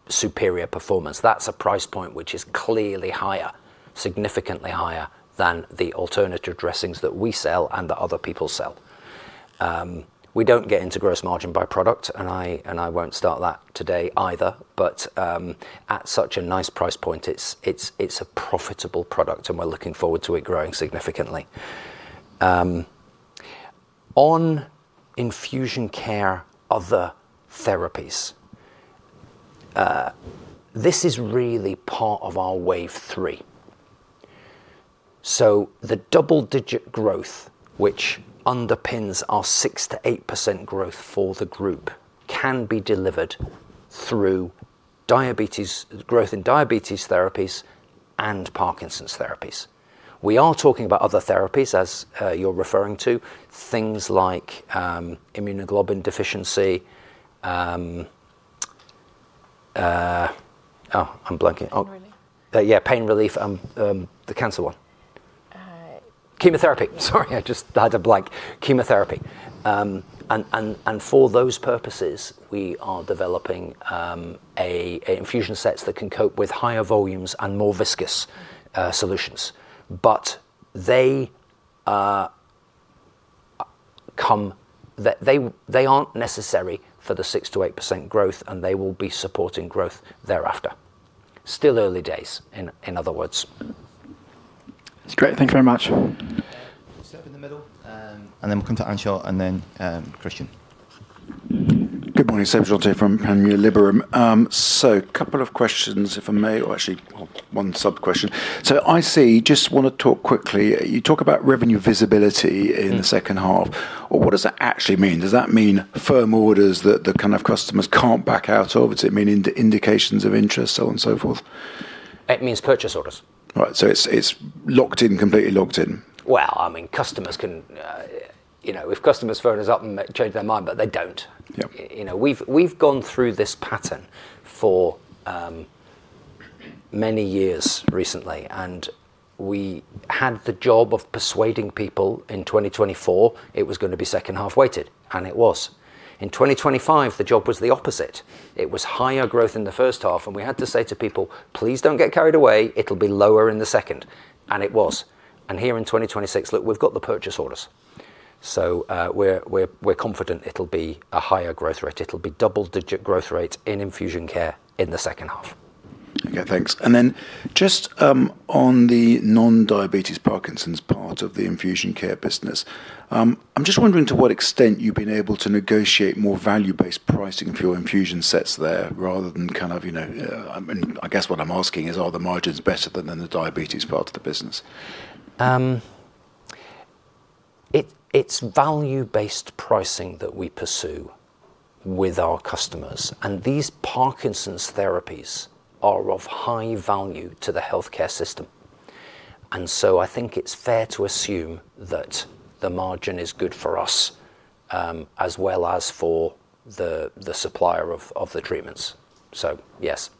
superior performance. That's a price point which is clearly higher, significantly higher than the alternative dressings that we sell and that other people sell. We don't get into gross margin by product, and I won't start that today either. At such a nice price point, it's a profitable product and we're looking forward to it growing significantly. On Infusion Care other therapies. This is really part of our wave three. The double-digit growth, which underpins our 6%-8% growth for the group, can be delivered through growth in diabetes therapies and Parkinson's therapies. We are talking about other therapies as you're referring to, things like immunoglobulin deficiency. Oh, I'm blanking. Yeah, pain relief. The cancer one. Chemotherapy. Sorry, I just had a blank. Chemotherapy. For those purposes, we are developing infusion sets that can cope with higher volumes and more viscous solutions. They aren't necessary for the 6%-8% growth, and they will be supporting growth thereafter. Still early days, in other words. It's great. Thank you very much. Seb in the middle, then we'll come to Anshul and then Christian. Good morning. Seb Jantet from Panmure Liberum. A couple of questions, if I may, or actually one sub-question. IC, just want to talk quickly. You talk about revenue visibility in the H2. What does that actually mean? Does that mean firm orders that the kind of customers can't back out of? Does it mean indications of interest, so on and so forth? It means purchase orders. Right. It's locked in, completely locked in. If customers phone us up and change their mind, but they don't. Yep. We've gone through this pattern for many years recently, and we had the job of persuading people in 2024 it was going to be H2 weighted, and it was. In 2025, the job was the opposite. It was higher growth in the H1, and we had to say to people, "Please don't get carried away. It'll be lower in the second." And it was. Here in 2026, look, we've got the purchase orders. We're confident it'll be a higher growth rate. It'll be double-digit growth rate in Infusion Care in the H2. Okay, thanks. Then just on the non-diabetes Parkinson's part of the Infusion Care business. I'm just wondering to what extent you've been able to negotiate more value-based pricing for your infusion sets there rather than kind of, I guess what I'm asking is, are the margins better than the diabetes part of the business? It's value-based pricing that we pursue with our customers, and these Parkinson's therapies are of high value to the healthcare system. I think it's fair to assume that the margin is good for us, as well as for the supplier of the treatments. Yes.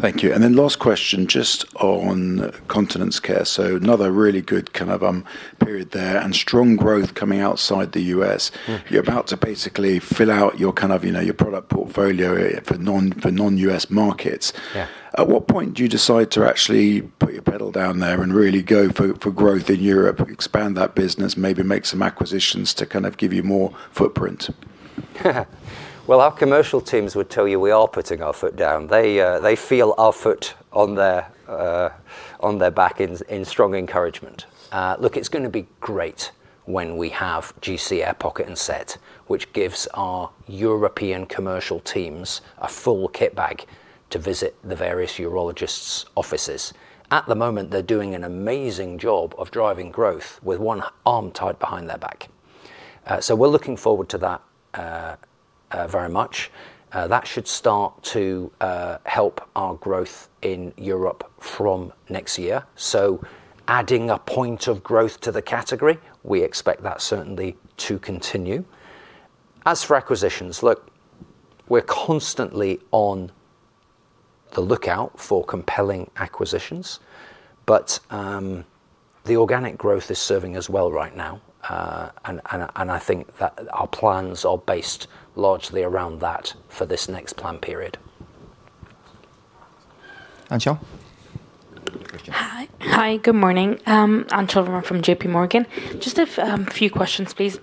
Thank you. Last question, just on Continence Care. Another really good kind of period there and strong growth coming outside the U.S. You're about to basically fill out your product portfolio for non-U.S. markets. Yeah. At what point do you decide to actually put your pedal down there and really go for growth in Europe, expand that business, maybe make some acquisitions to kind of give you more footprint? Well, our commercial teams would tell you we are putting our foot down. They feel our foot on their back in strong encouragement. Look, it's going to be great when we have GentleCath Air Pocket and Set, which gives our European commercial teams a full kit bag to visit the various urologists' offices. At the moment, they're doing an amazing job of driving growth with one arm tied behind their back. We're looking forward to that very much. That should start to help our growth in Europe from next year. Adding a point of growth to the category, we expect that certainly to continue. As for acquisitions, look, we're constantly on the lookout for compelling acquisitions. The organic growth is serving us well right now. I think that our plans are based largely around that for this next plan period. Anshul. Christian. Hi. Good morning. Anshul Verma from JPMorgan. Just a few questions, please.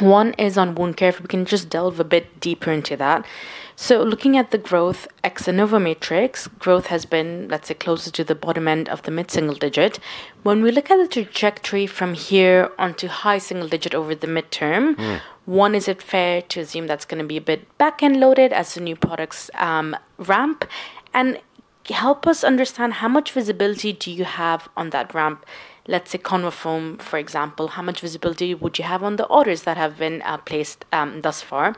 One is on wound care, if we can just delve a bit deeper into that. Looking at the growth ex InnovaMatrix, growth has been, let's say, closer to the bottom end of the mid-single digit. When we look at the trajectory from here onto high single digit over the midterm. One, is it fair to assume that's going to be a bit back-end loaded as the new products ramp? Help us understand how much visibility do you have on that ramp. Let's say, ConvaFoam, for example. How much visibility would you have on the orders that have been placed thus far?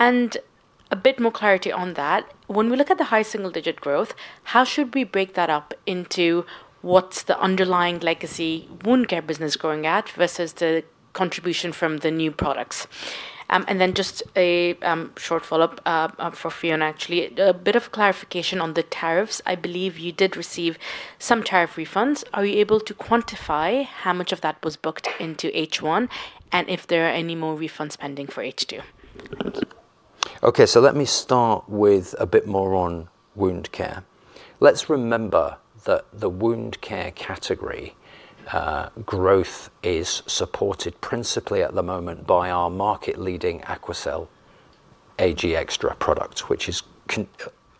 A bit more clarity on that. When we look at the high single-digit growth, how should we break that up into what's the underlying legacy wound care business growing at versus the contribution from the new products? Then just a short follow-up for Fiona, actually. A bit of clarification on the tariffs. I believe you did receive some tariff refunds. Are we able to quantify how much of that was booked into H1, and if there are any more refunds pending for H2? Okay. Let me start with a bit more on wound care. Let's remember that the wound care category growth is supported principally at the moment by our market-leading AQUACEL Ag+ Extra product, which,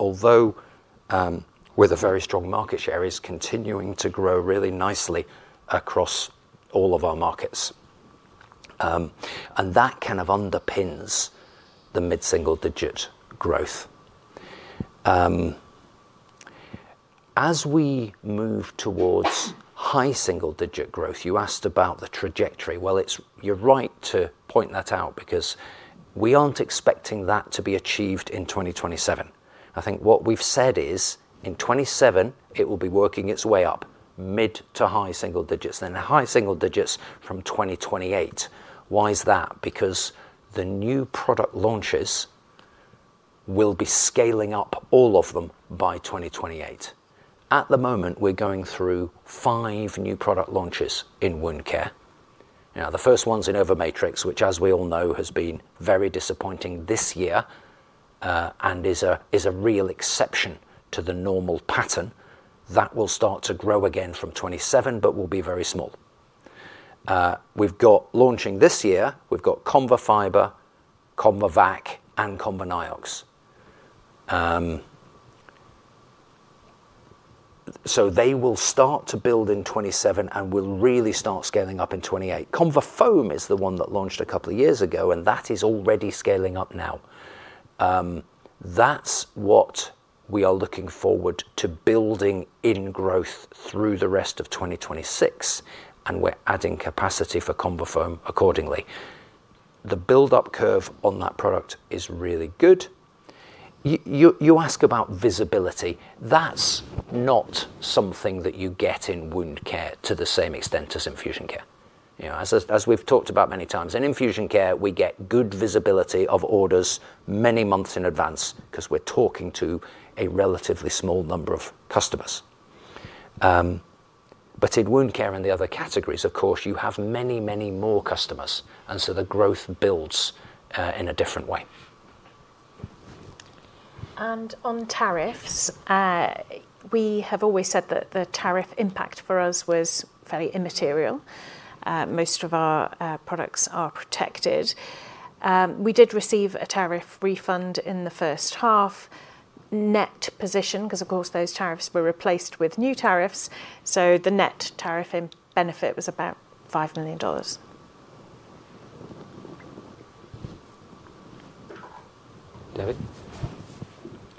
although with a very strong market share, is continuing to grow really nicely across all of our markets. That kind of underpins the mid-single digit growth. As we move towards high single-digit growth, you asked about the trajectory. Well, you're right to point that out, we aren't expecting that to be achieved in 2027. I think what we've said is in 2027 it will be working its way up mid to high single digits, then high single digits from 2028. Why is that? The new product launches will be scaling up all of them by 2028. At the moment, we're going through five new product launches in wound care. The first one's InnovaMatrix, which as we all know, has been very disappointing this year, and is a real exception to the normal pattern. That will start to grow again from 2027 but will be very small. Launching this year, we've got ConvaFiber, ConvaVAC, and ConvaNiox. They will start to build in 2027 and will really start scaling up in 2028. ConvaFoam is the one that launched a couple of years ago, and that is already scaling up now. That's what we are looking forward to building in growth through the rest of 2026, and we're adding capacity for ConvaFoam accordingly. The buildup curve on that product is really good. You ask about visibility. That's not something that you get in wound care to the same extent as Infusion Care. As we've talked about many times, in Infusion Care, we get good visibility of orders many months in advance because we're talking to a relatively small number of customers. In wound care and the other categories, of course, you have many more customers, the growth builds in a different way. On tariffs, we have always said that the tariff impact for us was fairly immaterial. Most of our products are protected. We did receive a tariff refund in the H1. Net position, because of course, those tariffs were replaced with new tariffs. The net tariff benefit was about $5 million. David?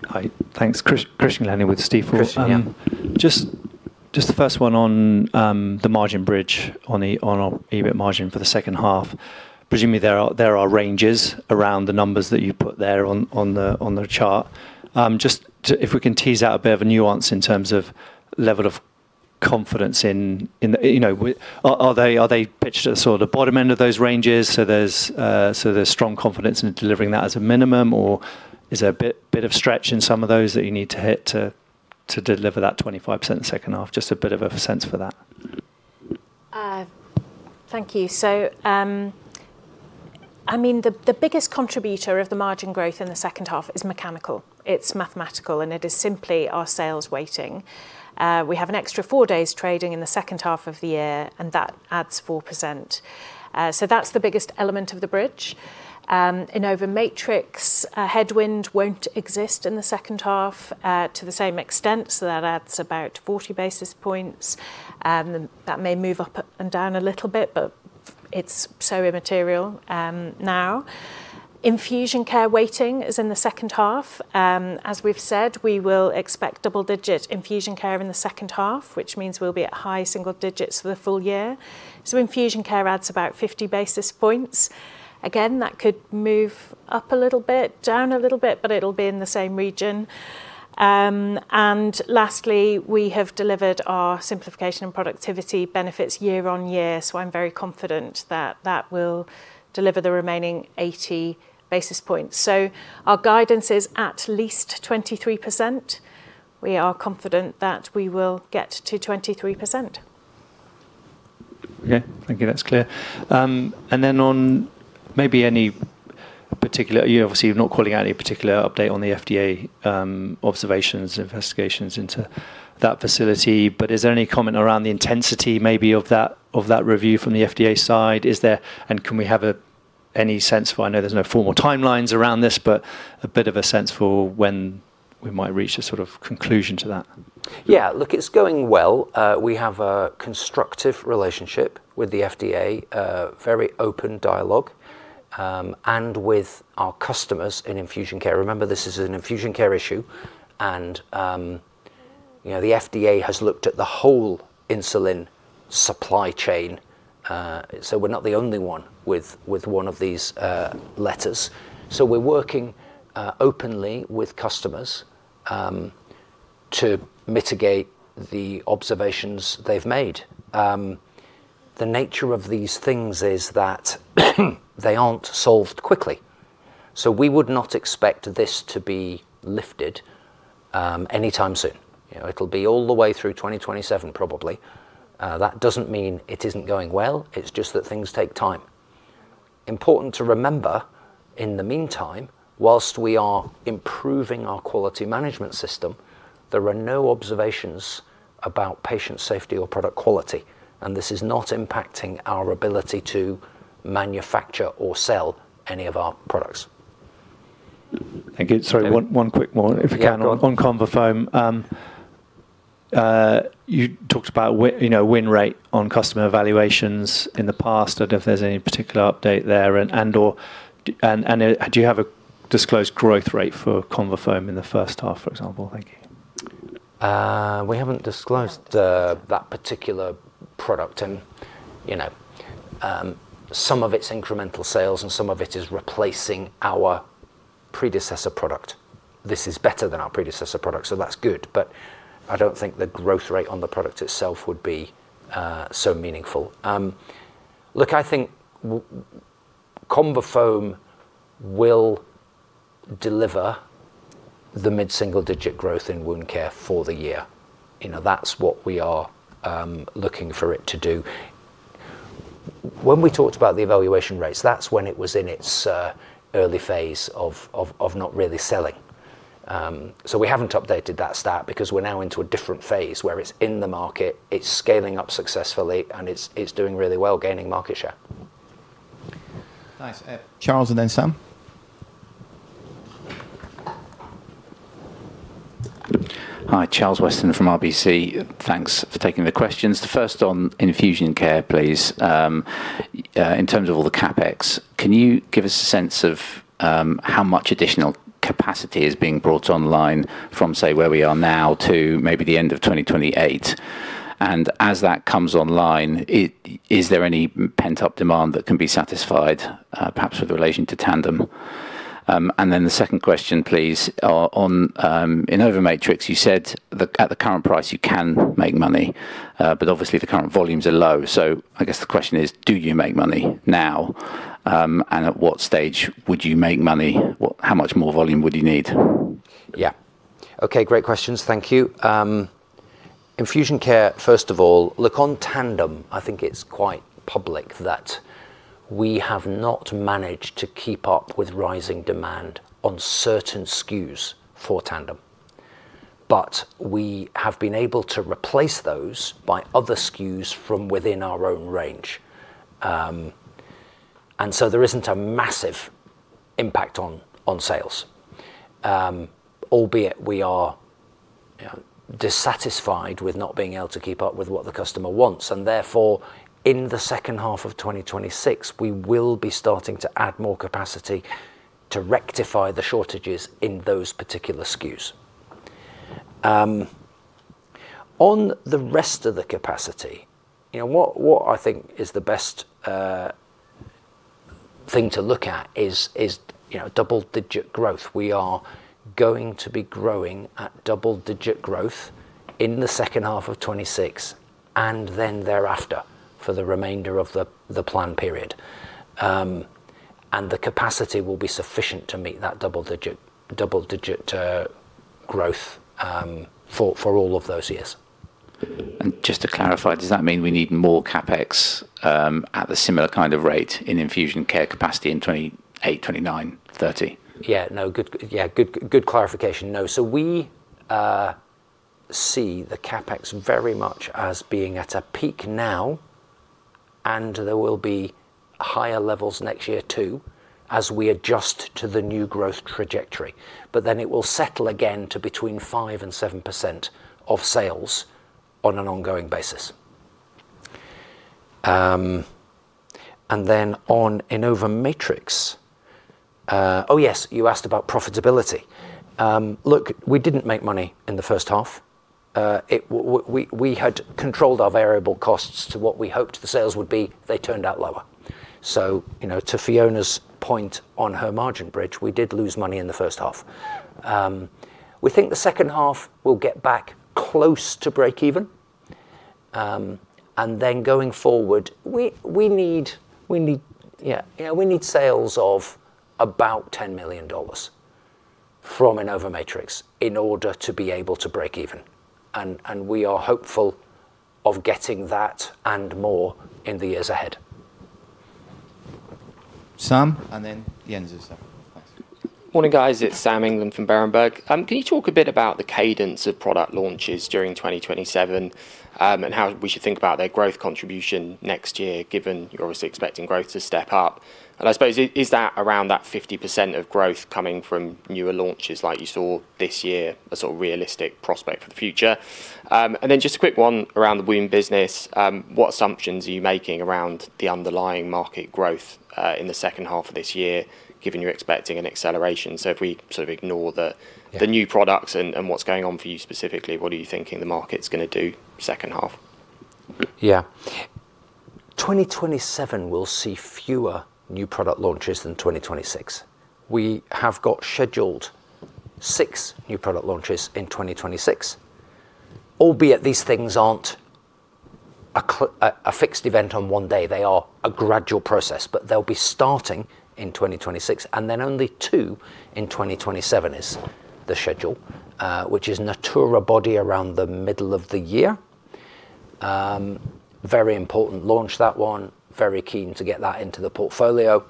Hi. Thanks. Chris Glennie with Stifel. Chris, yeah. The first one on the margin bridge on our EBIT margin for the H2. Presumably there are ranges around the numbers that you put there on the chart. If we can tease out a bit of a nuance in terms of level of confidence. Are they pitched at the sort of bottom end of those ranges, so there's strong confidence in delivering that as a minimum? Or is there a bit of stretch in some of those that you need to hit to deliver that 25% in the H2? A bit of a sense for that. Thank you. The biggest contributor of the margin growth in the H2 is mechanical. It's mathematical, it is simply our sales weighting. We have an extra four days trading in the H2 of the year, and that adds 4%. That's the biggest element of the bridge. InnovaMatrix headwind won't exist in the H2 to the same extent, that adds about 40 basis points. That may move up and down a little bit, but it's so immaterial now. Infusion Care weighting is in the H2. As we've said, we will expect double digit Infusion Care in the H2, which means we'll be at high single digits for the full-year. Infusion Care adds about 50 basis points. Again, that could move up a little bit, down a little bit, but it'll be in the same region. Lastly, we have delivered our simplification and productivity benefits year-on-year, I'm very confident that that will deliver the remaining 80 basis points. Our guidance is at least 23%. We are confident that we will get to 23%. Okay. Thank you. That's clear. On maybe any particular, you obviously are not calling out any particular update on the FDA observations, investigations into that facility. Is there any comment around the intensity maybe of that review from the FDA side? Can we have any sense for, I know there's no formal timelines around this, but a bit of a sense for when we might reach a sort of conclusion to that? Yeah. Look, it's going well. We have a constructive relationship with the FDA, a very open dialogue. With our customers in Infusion Care, remember, this is an Infusion Care issue, and the FDA has looked at the whole insulin supply chain. We're not the only one with one of these letters. We're working openly with customers to mitigate the observations they've made. The nature of these things is that they aren't solved quickly. We would not expect this to be lifted anytime soon. It'll be all the way through 2027 probably. That doesn't mean it isn't going well. It's just that things take time. Important to remember, in the meantime, whilst we are improving our quality management system, there are no observations about patient safety or product quality, and this is not impacting our ability to manufacture or sell any of our products. Thank you. Sorry, one quick one if you can. Yeah. Go on. On ConvaFoam. You talked about win rate on customer evaluations in the past. I don't know if there's any particular update there, and/or do you have a disclosed growth rate for ConvaFoam in the H1, for example? Thank you. We haven't disclosed that particular product, and some of it's incremental sales and some of it is replacing our predecessor product. This is better than our predecessor product, so that's good, but I don't think the growth rate on the product itself would be so meaningful. Look, I think ConvaFoam will deliver the mid-single digit growth in Wound Care for the year. That's what we are looking for it to do. When we talked about the evaluation rates, that's when it was in its early phase of not really selling. We haven't updated that stat because we're now into a different phase where it's in the market, it's scaling up successfully, and it's doing really well gaining market share. Thanks. Charles, then Sam. Hi. Charles Weston from RBC. Thanks for taking the questions. The first on Infusion Care, please. In terms of all the CapEx, can you give us a sense of how much additional capacity is being brought online from, say, where we are now to maybe the end of 2028? As that comes online, is there any pent-up demand that can be satisfied, perhaps with relation to Tandem? Then the second question, please, on InnovaMatrix, you said that at the current price you can make money, but obviously the current volumes are low. I guess the question is, do you make money now? At what stage would you make money? How much more volume would you need? Okay, great questions. Thank you. Infusion Care, first of all. Look, on Tandem, I think it's quite public that we have not managed to keep up with rising demand on certain SKUs for Tandem. We have been able to replace those by other SKUs from within our own range. There isn't a massive impact on sales. Albeit we are dissatisfied with not being able to keep up with what the customer wants, and therefore, in the H2 of 2026, we will be starting to add more capacity to rectify the shortages in those particular SKUs. On the rest of the capacity, what I think is the best thing to look at is double digit growth. We are going to be growing at double digit growth in the H2 of 2026, and then thereafter for the remainder of the plan period. The capacity will be sufficient to meet that double digit growth for all of those years. Just to clarify, does that mean we need more CapEx at the similar kind of rate in Infusion Care capacity in 2028, 2029, 2030? No. Good clarification. No. We see the CapEx very much as being at a peak now, and there will be higher levels next year too, as we adjust to the new growth trajectory. It will settle again to between 5% and 7% of sales on an ongoing basis. On InnovaMatrix. Oh, yes. You asked about profitability. Look, we didn't make money in the H1. We had controlled our variable costs to what we hoped the sales would be. They turned out lower. To Fiona's point on her margin bridge, we did lose money in the H1. We think the H2 we'll get back close to breakeven. Going forward, we need sales of about $10 million from InnovaMatrix in order to be able to break even. We are hopeful of getting that and more in the years ahead. Sam. Then Jens is up. Thanks. Morning, guys. It's Sam England from Berenberg. Can you talk a bit about the cadence of product launches during 2027, how we should think about their growth contribution next year, given you're obviously expecting growth to step up? I suppose, is that around that 50% of growth coming from newer launches like you saw this year, a sort of realistic prospect for the future? Then just a quick one around the wound business. What assumptions are you making around the underlying market growth, in the H2 of this year, given you're expecting an acceleration? If we sort of ignore the new products and what's going on for you specifically, what are you thinking the market's going to do H2? Yeah. 2027 will see fewer new product launches than 2026. We have got scheduled six new product launches in 2026. Albeit these things aren't a fixed event on one day. They are a gradual process. They'll be starting in 2026. Then only two in 2027 is the schedule. Which is Natura Body around the middle of the year. Very important launch, that one. Very keen to get that into the portfolio.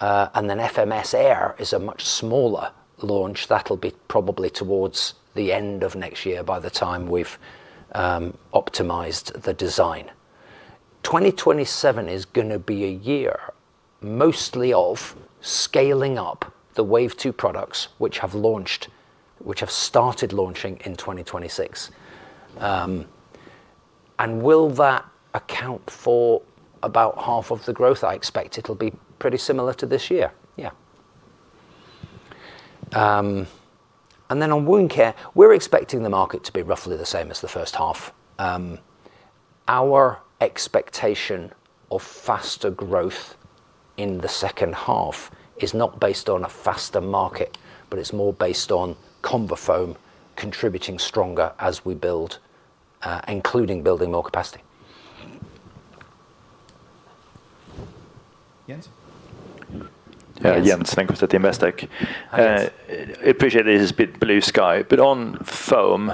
Then FlexiSeal Air is a much smaller launch. That'll be probably towards the end of next year by the time we've optimized the design. 2027 is going to be a year mostly of scaling up the Wave Two products, which have started launching in 2026. Will that account for about half of the growth? I expect it'll be pretty similar to this year. Yeah. On wound care, we're expecting the market to be roughly the same as the H1. Our expectation of faster growth in the H2 is not based on a faster market, but it's more based on ConvaFoam contributing stronger as we build, including building more capacity. Jens? Yeah, Jens Lindqvist at Investec. Hi, Jens. Appreciate it is a bit blue sky, on foam,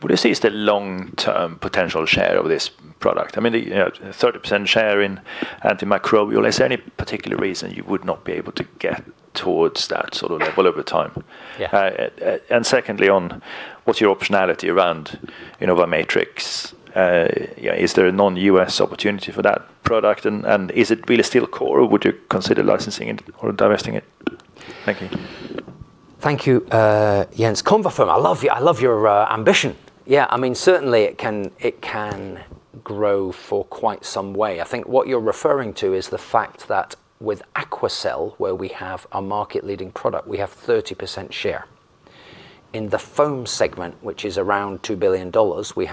what do you see is the long-term potential share of this product? I mean, 30% share in antimicrobial. Is there any particular reason you would not be able to get towards that sort of level over time? Yeah. Secondly on, what's your optionality around InnovaMatrix? Is there a non-U.S. opportunity for that product and is it really still core or would you consider licensing it or divesting it? Thank you. Thank you, Jens. ConvaFoam, I love your ambition. Certainly it can grow for quite some way. I think what you're referring to is the fact that with AQUACEL, where we have a market leading product, we have 30% share. In the foam segment, which is around $2 billion, we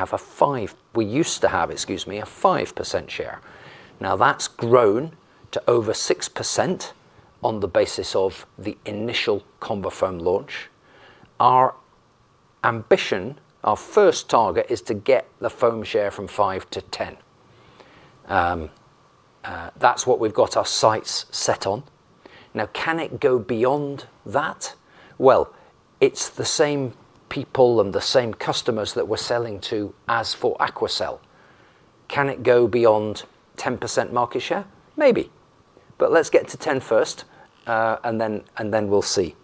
used to have, excuse me, a 5% share. Now that's grown to over 6% on the basis of the initial ConvaFoam launch. Our ambition, our first target is to get the foam share from five to 10. That's what we've got our sights set on. Now can it go beyond that? It's the same people and the same customers that we're selling to as for AQUACEL. Can it go beyond 10% market share? Maybe. Let's get to 10 first, and then we'll see.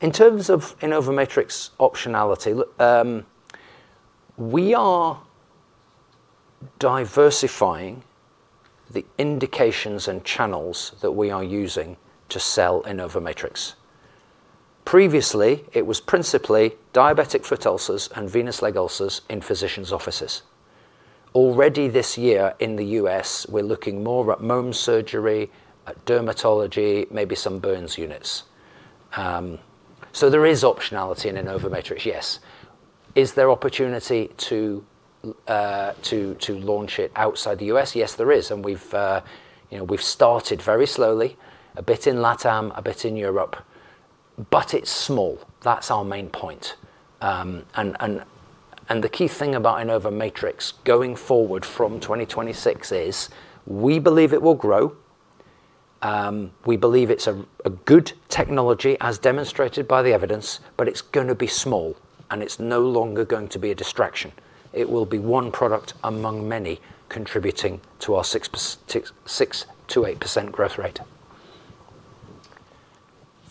In terms of InnovaMatrix optionality, we are diversifying the indications and channels that we are using to sell InnovaMatrix. Previously, it was principally diabetic foot ulcers and venous leg ulcers in physicians' offices. Already this year in the U.S., we're looking more at Mohs surgery, at dermatology, maybe some burns units. There is optionality in InnovaMatrix, yes. Is there opportunity to launch it outside the U.S.? Yes, there is. We've started very slowly, a bit in LATAM, a bit in Europe. It's small. That's our main point. The key thing about InnovaMatrix going forward from 2026 is we believe it will grow. We believe it's a good technology as demonstrated by the evidence, but it's going to be small, and it's no longer going to be a distraction. It will be one product among many, contributing to our 6%-8% growth rate.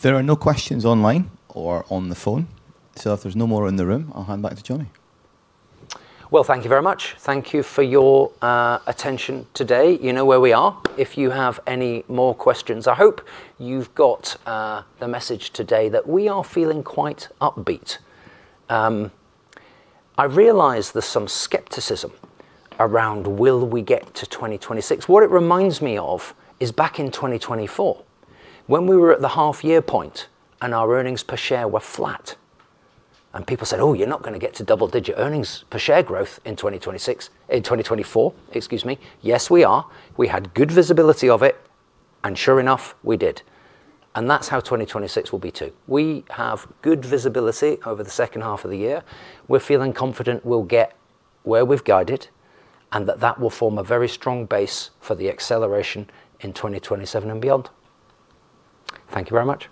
There are no questions online or on the phone. If there's no more in the room, I'll hand back to Jonny. Thank you very much. Thank you for your attention today. You know where we are if you have any more questions. I hope you've got the message today that we are feeling quite upbeat. I realize there's some skepticism around will we get to 2026. What it reminds me of is back in 2024 when we were at the half year point and our EPS were flat. People said, "Oh, you're not going to get to double-digit EPS growth in 2024," excuse me. Yes, we are. We had good visibility of it, sure enough, we did. That's how 2026 will be, too. We have good visibility over the H2 of the year. We're feeling confident we'll get where we've guided, that that will form a very strong base for the acceleration in 2027 and beyond. Thank you very much